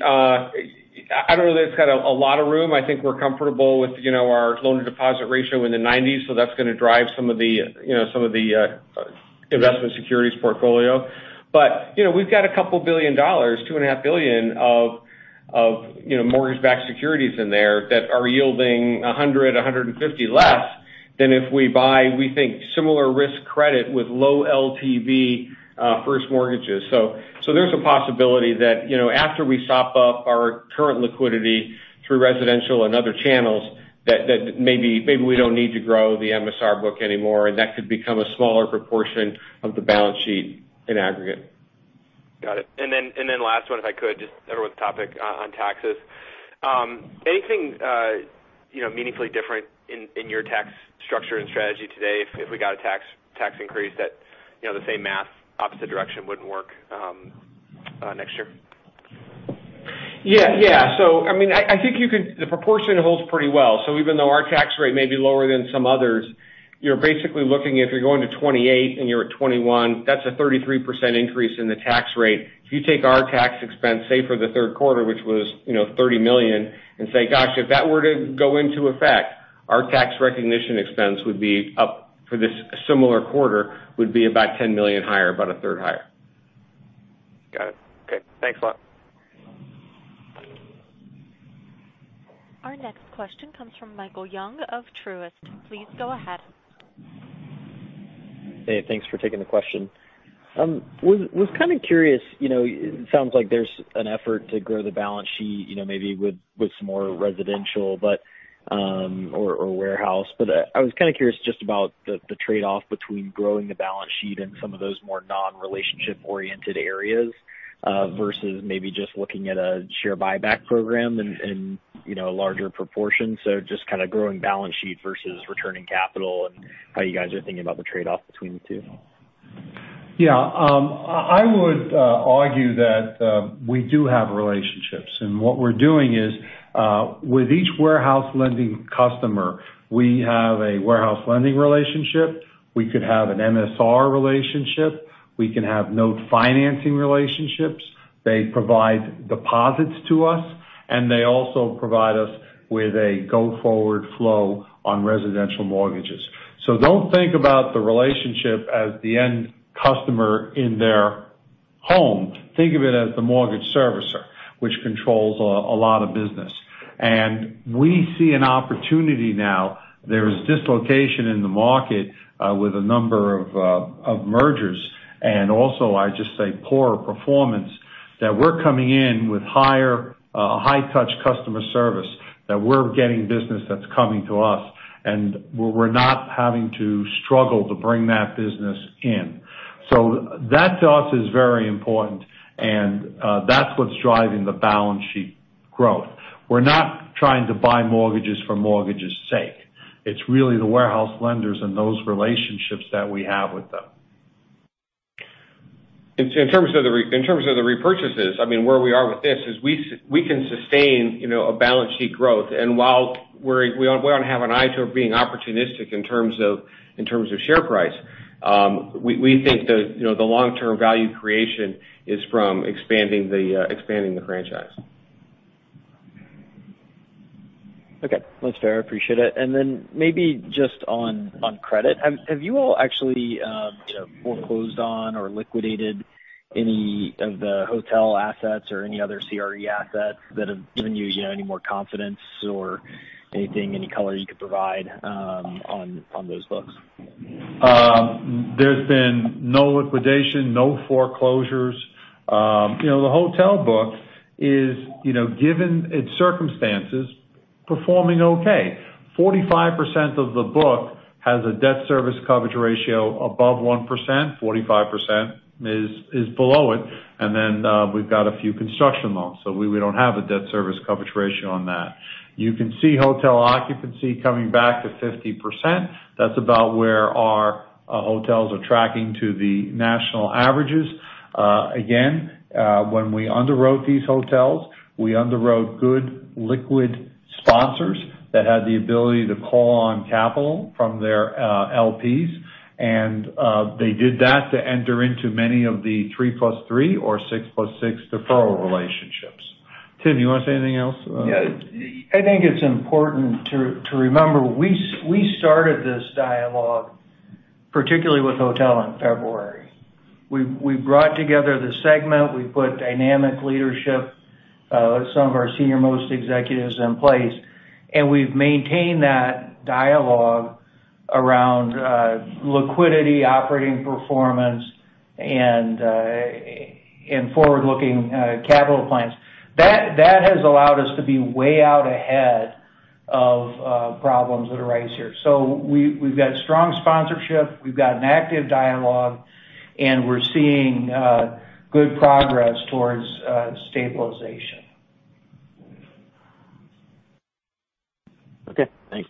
I don't know that it's got a lot of room. I think we're comfortable with our loan-to-deposit ratio in the 90s. That's going to drive some of the investment securities portfolio. We've got a couple billion dollars, $2.5 billion of mortgage-backed securities in there that are yielding 100, 150 less than if we buy, we think, similar risk credit with low LTV first mortgages. There's a possibility that after we sop up our current liquidity through residential and other channels, that maybe we don't need to grow the MSR book anymore, and that could become a smaller proportion of the balance sheet in aggregate. Got it. Last one, if I could, just stay with the topic on taxes. Anything meaningfully different in your tax structure and strategy today if we got a tax increase that the same math opposite direction wouldn't work next year? Yeah. I think the proportion holds pretty well. Even though our tax rate may be lower than some others, you're basically looking, if you're going to 28 and you're at 21, that's a 33% increase in the tax rate. If you take our tax expense, say, for the third quarter, which was $30 million, and say, gosh, if that were to go into effect, our tax recognition expense would be up for this similar quarter, would be about $10 million higher, about a third higher. Got it. Okay, thanks a lot. Our next question comes from Michael Young of Truist. Please go ahead. Hey, thanks for taking the question. I was kind of curious. It sounds like there's an effort to grow the balance sheet, maybe with some more residential, or warehouse. I was kind of curious just about the trade-off between growing the balance sheet and some of those more non-relationship oriented areas, versus maybe just looking at a share buyback program in a larger proportion. Just kind of growing balance sheet versus returning capital, and how you guys are thinking about the trade-off between the two. Yeah. I would argue that we do have relationships and what we're doing is with each warehouse lending customer, we have a warehouse lending relationship. We could have an MSR relationship. We can have note financing relationships. They provide deposits to us, and they also provide us with a go-forward flow on residential mortgages. Don't think about the relationship as the end customer in their home. Think of it as the mortgage servicer, which controls a lot of business. We see an opportunity now. There's dislocation in the market, with a number of mergers, and also, I just say, poor performance, that we're coming in with high touch customer service, that we're getting business that's coming to us, and we're not having to struggle to bring that business in. That to us is very important, and that's what's driving the balance sheet growth. We're not trying to buy mortgages for mortgages' sake. It's really the warehouse lenders and those relationships that we have with them. In terms of the repurchases, where we are with this is we can sustain a balance sheet growth. While we want to have an eye to being opportunistic in terms of share price. We think the long-term value creation is from expanding the franchise. Okay. That's fair. Appreciate it. Maybe just on credit, have you all actually foreclosed on or liquidated any of the hotel assets or any other CRE assets that have given you any more confidence or anything, any color you could provide on those books? There's been no liquidation, no foreclosures. The hotel book is, given its circumstances, performing okay. 45% of the book has a debt service coverage ratio above 1%, 45% is below it. We've got a few construction loans. We don't have a debt service coverage ratio on that. You can see hotel occupancy coming back to 50%. That's about where our hotels are tracking to the national averages. Again, when we underwrote these hotels, we underwrote good liquid sponsors that had the ability to call on capital from their LPs. They did that to enter into many of the three plus three or six plus six deferral relationships. Tim, you want to say anything else? Yeah. I think it's important to remember, we started this dialogue, particularly with hotel in February. We brought together the segment. We put dynamic leadership, some of our senior-most executives in place, and we've maintained that dialogue around liquidity, operating performance, and forward-looking capital plans. That has allowed us to be way out ahead of problems that arise here. We've got strong sponsorship, we've got an active dialogue, and we're seeing good progress towards stabilization. Okay, thanks.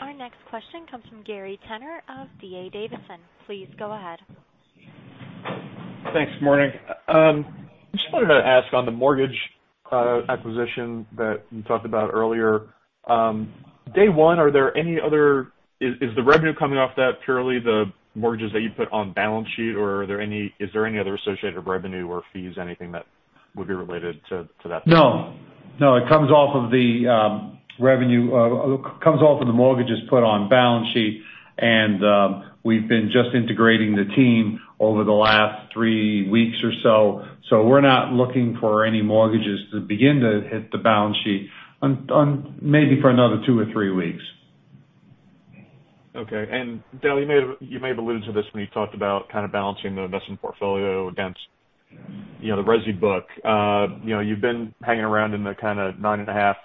Our next question comes from Gary Tenner of D.A. Davidson. Please go ahead. Thanks. Morning. Just wanted to ask on the mortgage acquisition that you talked about earlier. Day one, is the revenue coming off that purely the mortgages that you put on balance sheet, or is there any other associated revenue or fees, anything that would be related to that? No. It comes off of the mortgages put on balance sheet, and we've been just integrating the team over the last three weeks or so. We're not looking for any mortgages to begin to hit the balance sheet maybe for another two or three weeks. Okay. Dale, you may have alluded to this when you talked about kind of balancing the investment portfolio against the resi book. You've been hanging around in the kind of 9.5%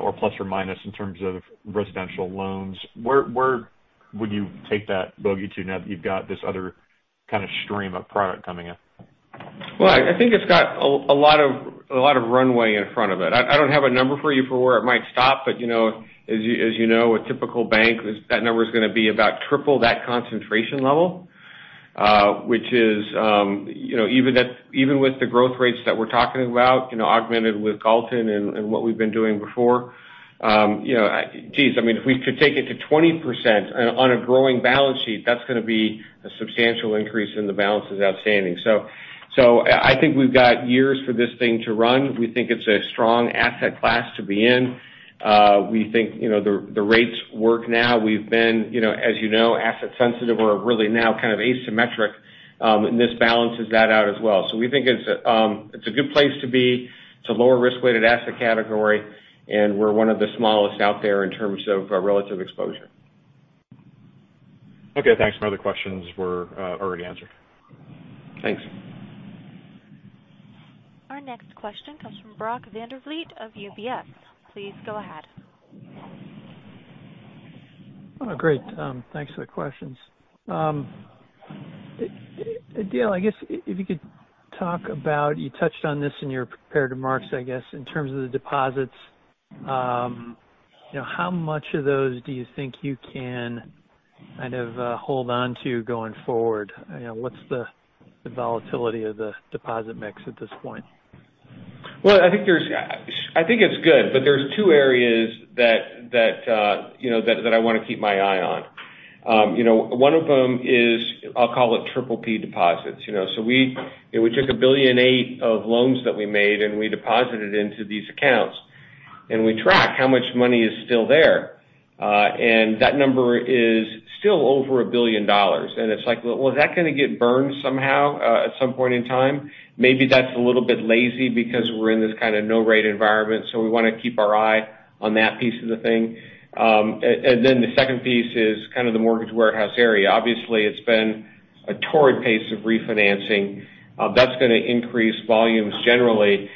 or ± in terms of residential loans. Where would you take that bogey to now that you've got this other kind of stream of product coming in? Well, I think it's got a lot of runway in front of it. I don't have a number for you for where it might stop, but as you know, a typical bank, that number is going to be about triple that concentration level. Which is, even with the growth rates that we're talking about, augmented with Galton and what we've been doing before. Geez, if we could take it to 20% on a growing balance sheet, that's going to be a substantial increase in the balances outstanding. I think we've got years for this thing to run. We think it's a strong asset class to be in. We think the rates work now. We've been, as you know, asset sensitive. We're really now kind of asymmetric, and this balances that out as well. We think it's a good place to be. It's a lower risk-weighted asset category, and we're one of the smallest out there in terms of relative exposure. Okay, thanks. My other questions were already answered. Thanks. Our next question comes from Brock Vandervliet of UBS. Please go ahead. Oh, great. Thanks for the questions. Dale, I guess, if you could talk about, you touched on this in your prepared remarks, I guess, in terms of the deposits. How much of those do you think you can kind of hold onto going forward? What's the volatility of the deposit mix at this point? Well, I think it's good, but there's two areas that I want to keep my eye on. One of them is, I'll call it PPP deposits. We took $1.08 billion of loans that we made, and we deposited into these accounts, and we track how much money is still there. That number is still over $1 billion. It's like, well, is that going to get burned somehow at some point in time? Maybe that's a little bit lazy because we're in this kind of no-rate environment. We want to keep our eye on that piece of the thing. The second piece is kind of the mortgage warehouse area. Obviously, it's been a torrid pace of refinancing. That's going to increase volumes generally.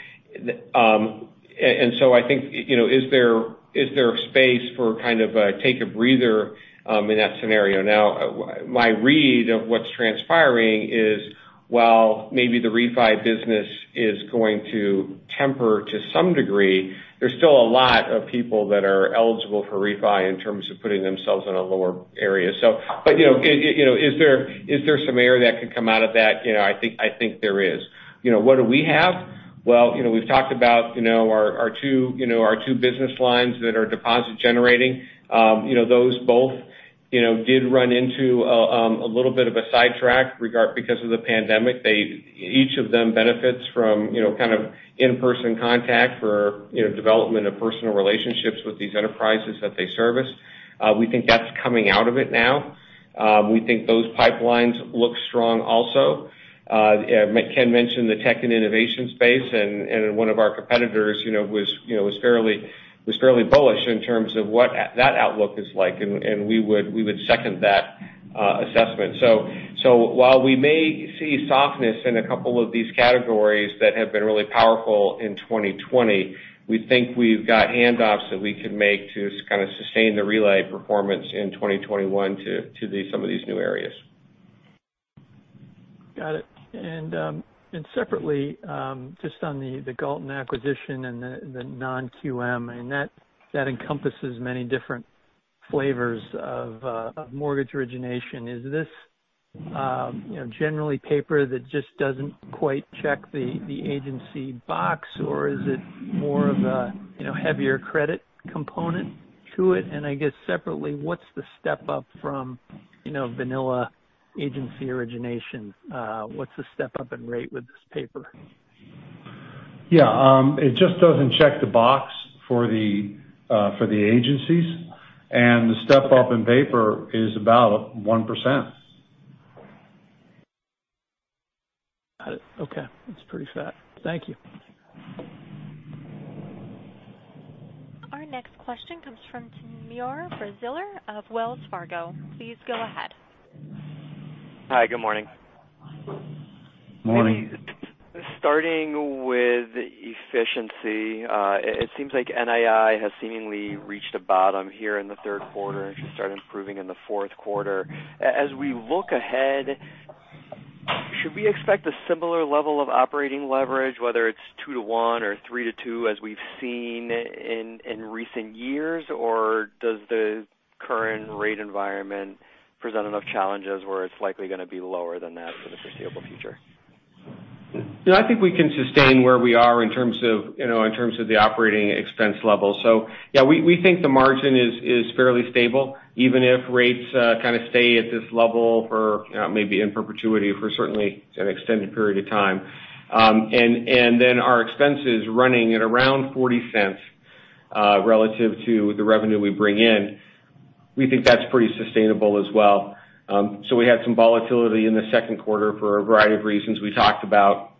I think, is there a space for kind of a take a breather in that scenario? Now, my read of what's transpiring is, while maybe the refi business is going to temper to some degree, there's still a lot of people that are eligible for refi in terms of putting themselves in a lower area. Is there some air that could come out of that? I think there is. What do we have? Well, we've talked about our two business lines that are deposit generating. Those both did run into a little bit of a sidetrack because of the pandemic. Each of them benefits from kind of in-person contact for development of personal relationships with these enterprises that they service. We think that's coming out of it now. We think those pipelines look strong also. Ken mentioned the tech and innovation space, and one of our competitors was fairly bullish in terms of what that outlook is like, and we would second that assessment. While we may see softness in a couple of these categories that have been really powerful in 2020, we think we've got handoffs that we can make to kind of sustain the relay performance in 2021 to some of these new areas. Got it. Separately, just on the Galton acquisition and the non-QM, that encompasses many different flavors of mortgage origination. Is this generally paper that just doesn't quite check the agency box, or is it more of a heavier credit component to it? I guess separately, what's the step-up from vanilla agency origination? What's the step-up in rate with this paper? Yeah. It just doesn't check the box for the agencies, and the step-up in paper is about 1%. Got it. Okay. That's pretty flat. Thank you. Our next question comes from Timur Braziler of Wells Fargo. Please go ahead. Hi, good morning. Morning. Starting with efficiency. It seems like NII has seemingly reached a bottom here in the third quarter and should start improving in the fourth quarter. As we look ahead, should we expect a similar level of operating leverage, whether it's two to one or three to two as we've seen in recent years? Or does the current rate environment present enough challenges where it's likely going to be lower than that for the foreseeable future? I think we can sustain where we are in terms of the operating expense level. Yeah, we think the margin is fairly stable, even if rates kind of stay at this level for maybe in perpetuity, for certainly an extended period of time. Our expenses running at around $0.40 relative to the revenue we bring in. We think that's pretty sustainable as well. We had some volatility in the second quarter for a variety of reasons we talked about.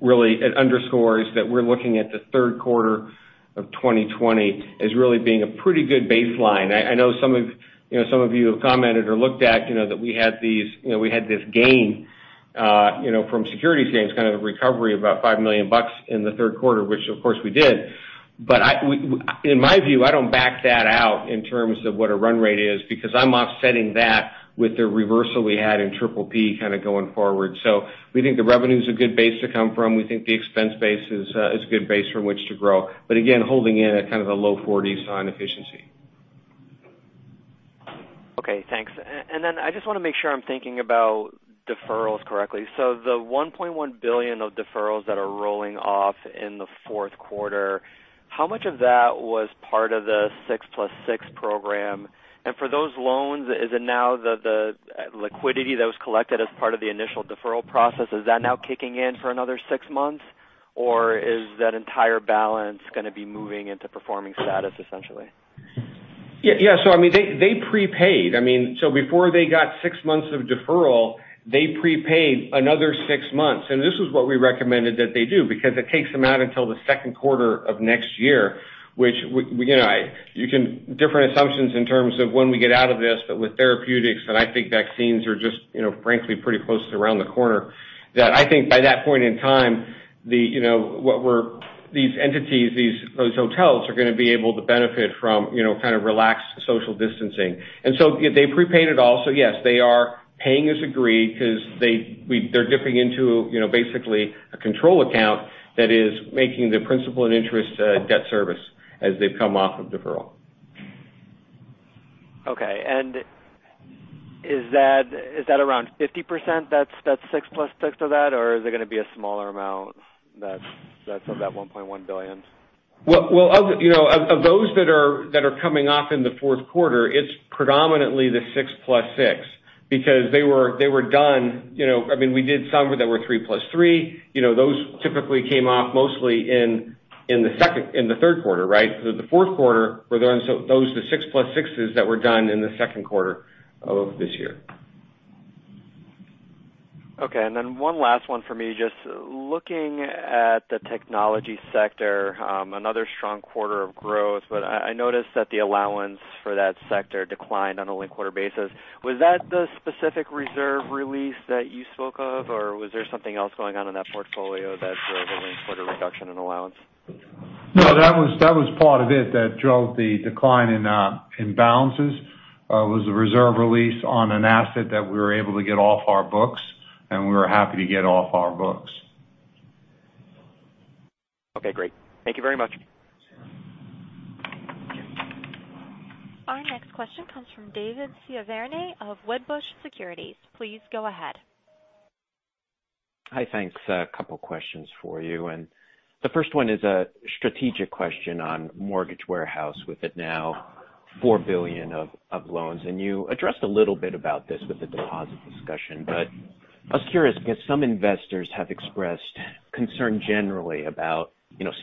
Really, it underscores that we're looking at the third quarter of 2020 as really being a pretty good baseline. I know some of you have commented or looked at that we had this gain from securities gains, kind of a recovery of about $5 million in the third quarter, which of course we did. In my view, I don't back that out in terms of what a run rate is because I'm offsetting that with the reversal we had in PPP kind of going forward. We think the revenue is a good base to come from. We think the expense base is a good base from which to grow. Again, holding in at kind of the low 40s on efficiency. Okay, thanks. I just want to make sure I'm thinking about deferrals correctly. The $1.1 billion of deferrals that are rolling off in the fourth quarter, how much of that was part of the six plus six program? For those loans, is it now the liquidity that was collected as part of the initial deferral process? Is that now kicking in for another six months? Or is that entire balance going to be moving into performing status essentially? Yeah. I mean, they prepaid. Before they got six months of deferral, they prepaid another six months. This is what we recommended that they do because it takes them out until the second quarter of next year, which you can have different assumptions in terms of when we get out of this, but with therapeutics and I think vaccines are just frankly pretty close to around the corner. I think by that point in time, these entities, those hotels are going to be able to benefit from kind of relaxed social distancing. They prepaid it all. Yes, they are paying as agreed because they're dipping into basically a control account that is making the principal and interest debt service as they've come off of deferral. Okay. Is that around 50% that's six plus six of that or is it going to be a smaller amount that's of that $1.1 billion? Well, of those that are coming off in the fourth quarter, it's predominantly the six plus six because they were done. We did some that were three plus three. Those typically came off mostly in the third quarter, right? The fourth quarter were those are the six plus sixes that were done in the second quarter of this year. Okay. One last one for me. Just looking at the technology sector, another strong quarter of growth. I noticed that the allowance for that sector declined on a linked quarter basis. Was that the specific reserve release that you spoke of or was there something else going on in that portfolio that drove a linked quarter reduction in allowance? No, that was part of it that drove the decline in balances. Was the reserve release on an asset that we were able to get off our books, and we were happy to get off our books. Okay, great. Thank you very much. Our next question comes from David Chiaverini of Wedbush Securities. Please go ahead. Hi, thanks. A couple questions for you. The first one is a strategic question on mortgage warehouse with it now $4 billion of loans. You addressed a little bit about this with the deposit discussion, but I was curious because some investors have expressed concern generally about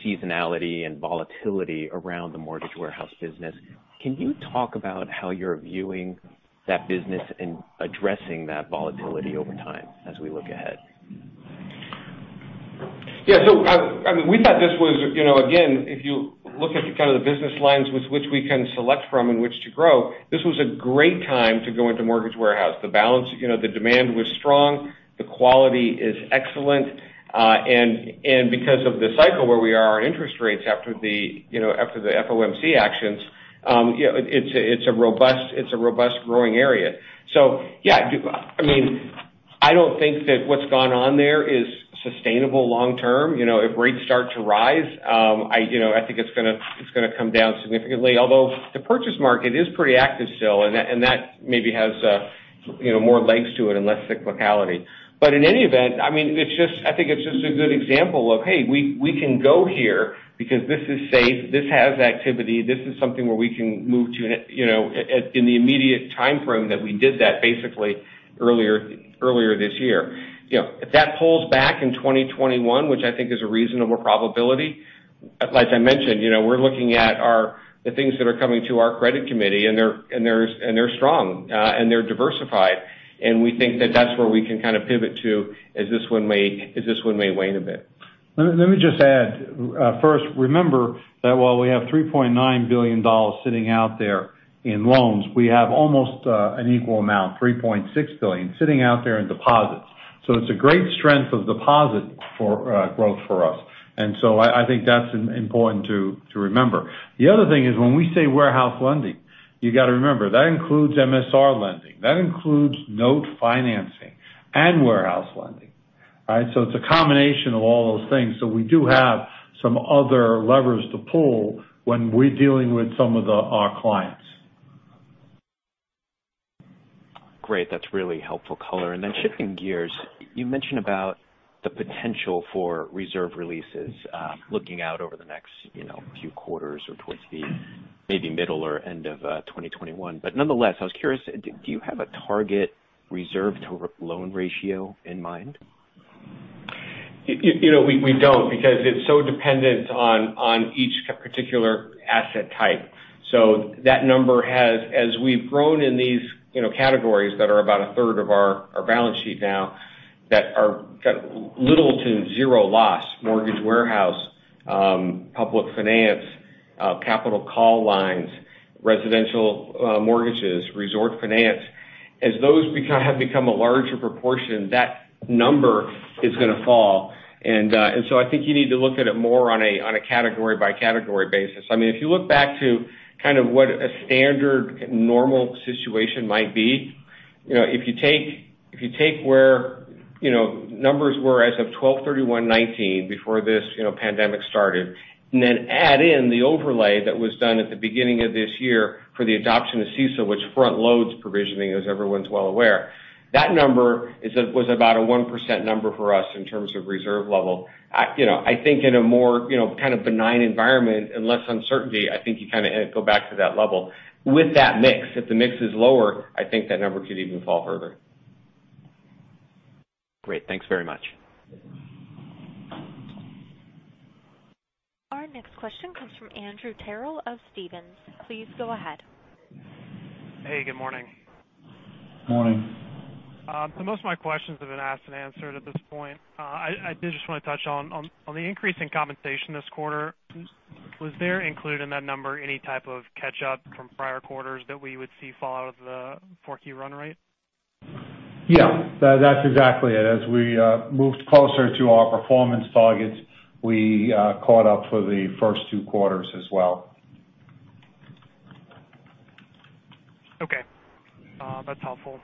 seasonality and volatility around the mortgage warehouse business. Can you talk about how you're viewing that business and addressing that volatility over time as we look ahead? Yeah. We thought this was, again, if you look at the kind of the business lines with which we can select from in which to grow, this was a great time to go into mortgage warehouse. The demand was strong, the quality is excellent. Because of the cycle where we are on interest rates after the FOMC actions, it's a robust growing area. Yeah. I don't think that what's gone on there is sustainable long term. If rates start to rise, I think it's going to come down significantly. Although the purchase market is pretty active still, and that maybe has more legs to it and less cyclicality. In any event, I think it's just a good example of, hey, we can go here because this is safe, this has activity, this is something where we can move to in the immediate timeframe that we did that basically earlier this year. If that pulls back in 2021, which I think is a reasonable probability, like I mentioned, we're looking at the things that are coming to our credit committee and they're strong and they're diversified. We think that that's where we can kind of pivot to as this one may wane a bit. Let me just add. First, remember that while we have $3.9 billion sitting out there in loans, we have almost an equal amount, $3.6 billion sitting out there in deposits. It's a great strength of deposit for growth for us. I think that's important to remember. The other thing is when we say warehouse lending, you got to remember that includes MSR lending, that includes note financing and warehouse lending, right? It's a combination of all those things. We do have some other levers to pull when we're dealing with some of our clients. Great. That's really helpful color. Shifting gears, you mentioned about the potential for reserve releases looking out over the next few quarters or towards the maybe middle or end of 2021. Nonetheless, I was curious, do you have a target reserve to loan ratio in mind? We don't because it's so dependent on each particular asset type. That number has, as we've grown in these categories that are about a third of our balance sheet now that have little to zero loss mortgage warehouse, public finance, capital call lines, residential mortgages, resort finance. As those have become a larger proportion, that number is going to fall. I think you need to look at it more on a category by category basis. If you look back to kind of what a standard normal situation might be, if you take where numbers were as of 12/31/2019, before this pandemic started, and then add in the overlay that was done at the beginning of this year for the adoption of CECL, which front loads provisioning, as everyone's well aware. That number was about a 1% number for us in terms of reserve level. I think in a more kind of benign environment and less uncertainty, I think you kind of go back to that level with that mix. If the mix is lower, I think that number could even fall further. Great. Thanks very much. Our next question comes from Andrew Terrell of Stephens. Please go ahead. Hey, good morning. Morning. Most of my questions have been asked and answered at this point. I did just want to touch on the increase in compensation this quarter. Was there included in that number any type of catch up from prior quarters that we would see fall out of the 4Q run rate? Yeah. That's exactly it. As we moved closer to our performance targets, we caught up for the first two quarters as well. Okay. That's helpful.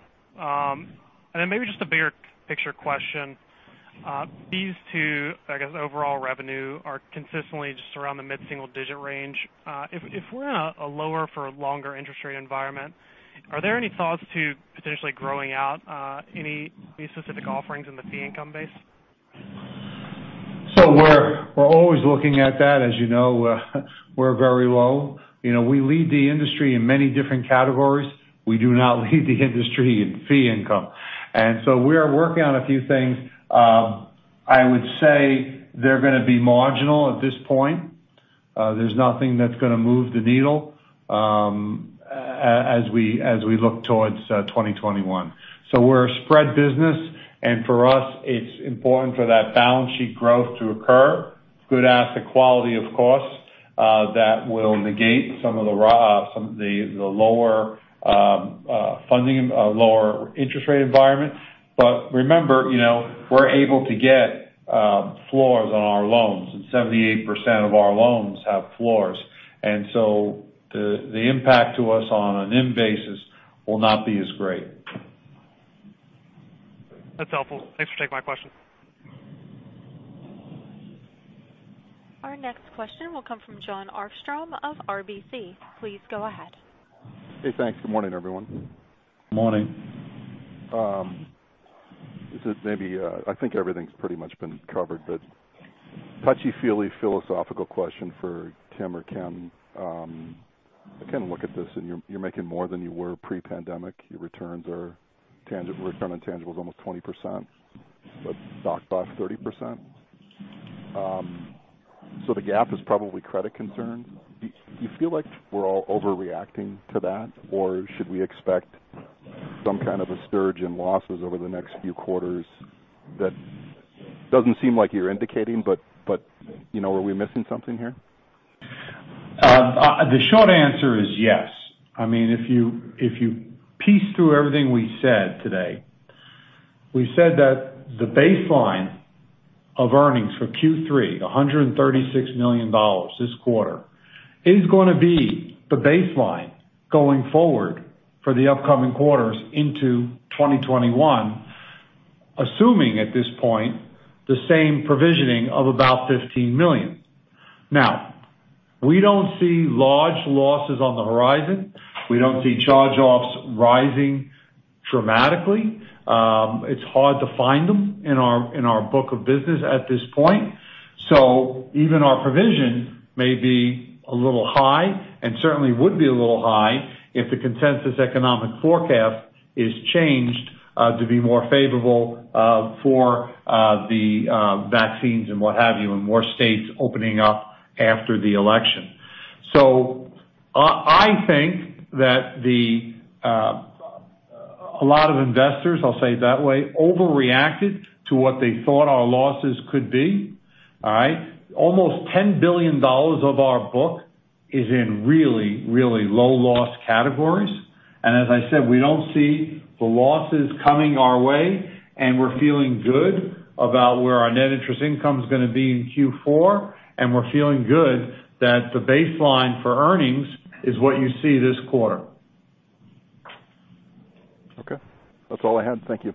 Maybe just a bigger picture question. Fees to, I guess, overall revenue are consistently just around the mid-single-digit range. If we're in a lower for longer interest rate environment, are there any thoughts to potentially growing out any specific offerings in the fee income base? We're always looking at that. As you know, we're very low. We lead the industry in many different categories. We do not lead the industry in fee income. We are working on a few things. I would say they're going to be marginal at this point. There's nothing that's going to move the needle as we look towards 2021. We're a spread business, and for us, it's important for that balance sheet growth to occur. Good asset quality, of course, that will negate some of the lower interest rate environment. Remember, we're able to get floors on our loans, and 78% of our loans have floors. The impact to us on an NIM basis will not be as great. That's helpful. Thanks for taking my question. Our next question will come from Jon Arfstrom of RBC. Please go ahead. Hey, thanks. Good morning, everyone. Morning. I think everything's pretty much been covered, but touchy, feely, philosophical question for Tim or Ken. I kind of look at this and you're making more than you were pre-pandemic. Your returns on tangible is almost 20%, but docked by 30%. The gap is probably credit concern. Do you feel like we're all overreacting to that? Should we expect some kind of a surge in losses over the next few quarters? That doesn't seem like you're indicating, but are we missing something here? The short answer is yes. If you piece through everything we said today, we said that the baseline of earnings for Q3, the $136 million this quarter, is going to be the baseline going forward for the upcoming quarters into 2021, assuming at this point, the same provisioning of about $15 million. We don't see large losses on the horizon. We don't see charge-offs rising dramatically. It's hard to find them in our book of business at this point. Even our provision may be a little high, and certainly would be a little high if the consensus economic forecast is changed to be more favorable for the vaccines and what have you, and more states opening up after the election. I think that a lot of investors, I'll say it that way, overreacted to what they thought our losses could be. Almost $10 billion of our book is in really, really low loss categories. As I said, we don't see the losses coming our way, and we're feeling good about where our net interest income is going to be in Q4, and we're feeling good that the baseline for earnings is what you see this quarter. Okay. That's all I had. Thank you.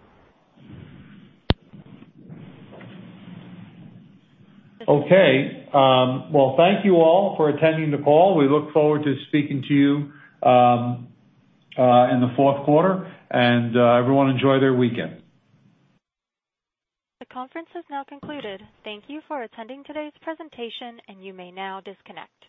Okay. Well, thank you all for attending the call. We look forward to speaking to you in the fourth quarter, and everyone enjoy their weekend. The conference has now concluded. Thank you for attending today's presentation, and you may now disconnect.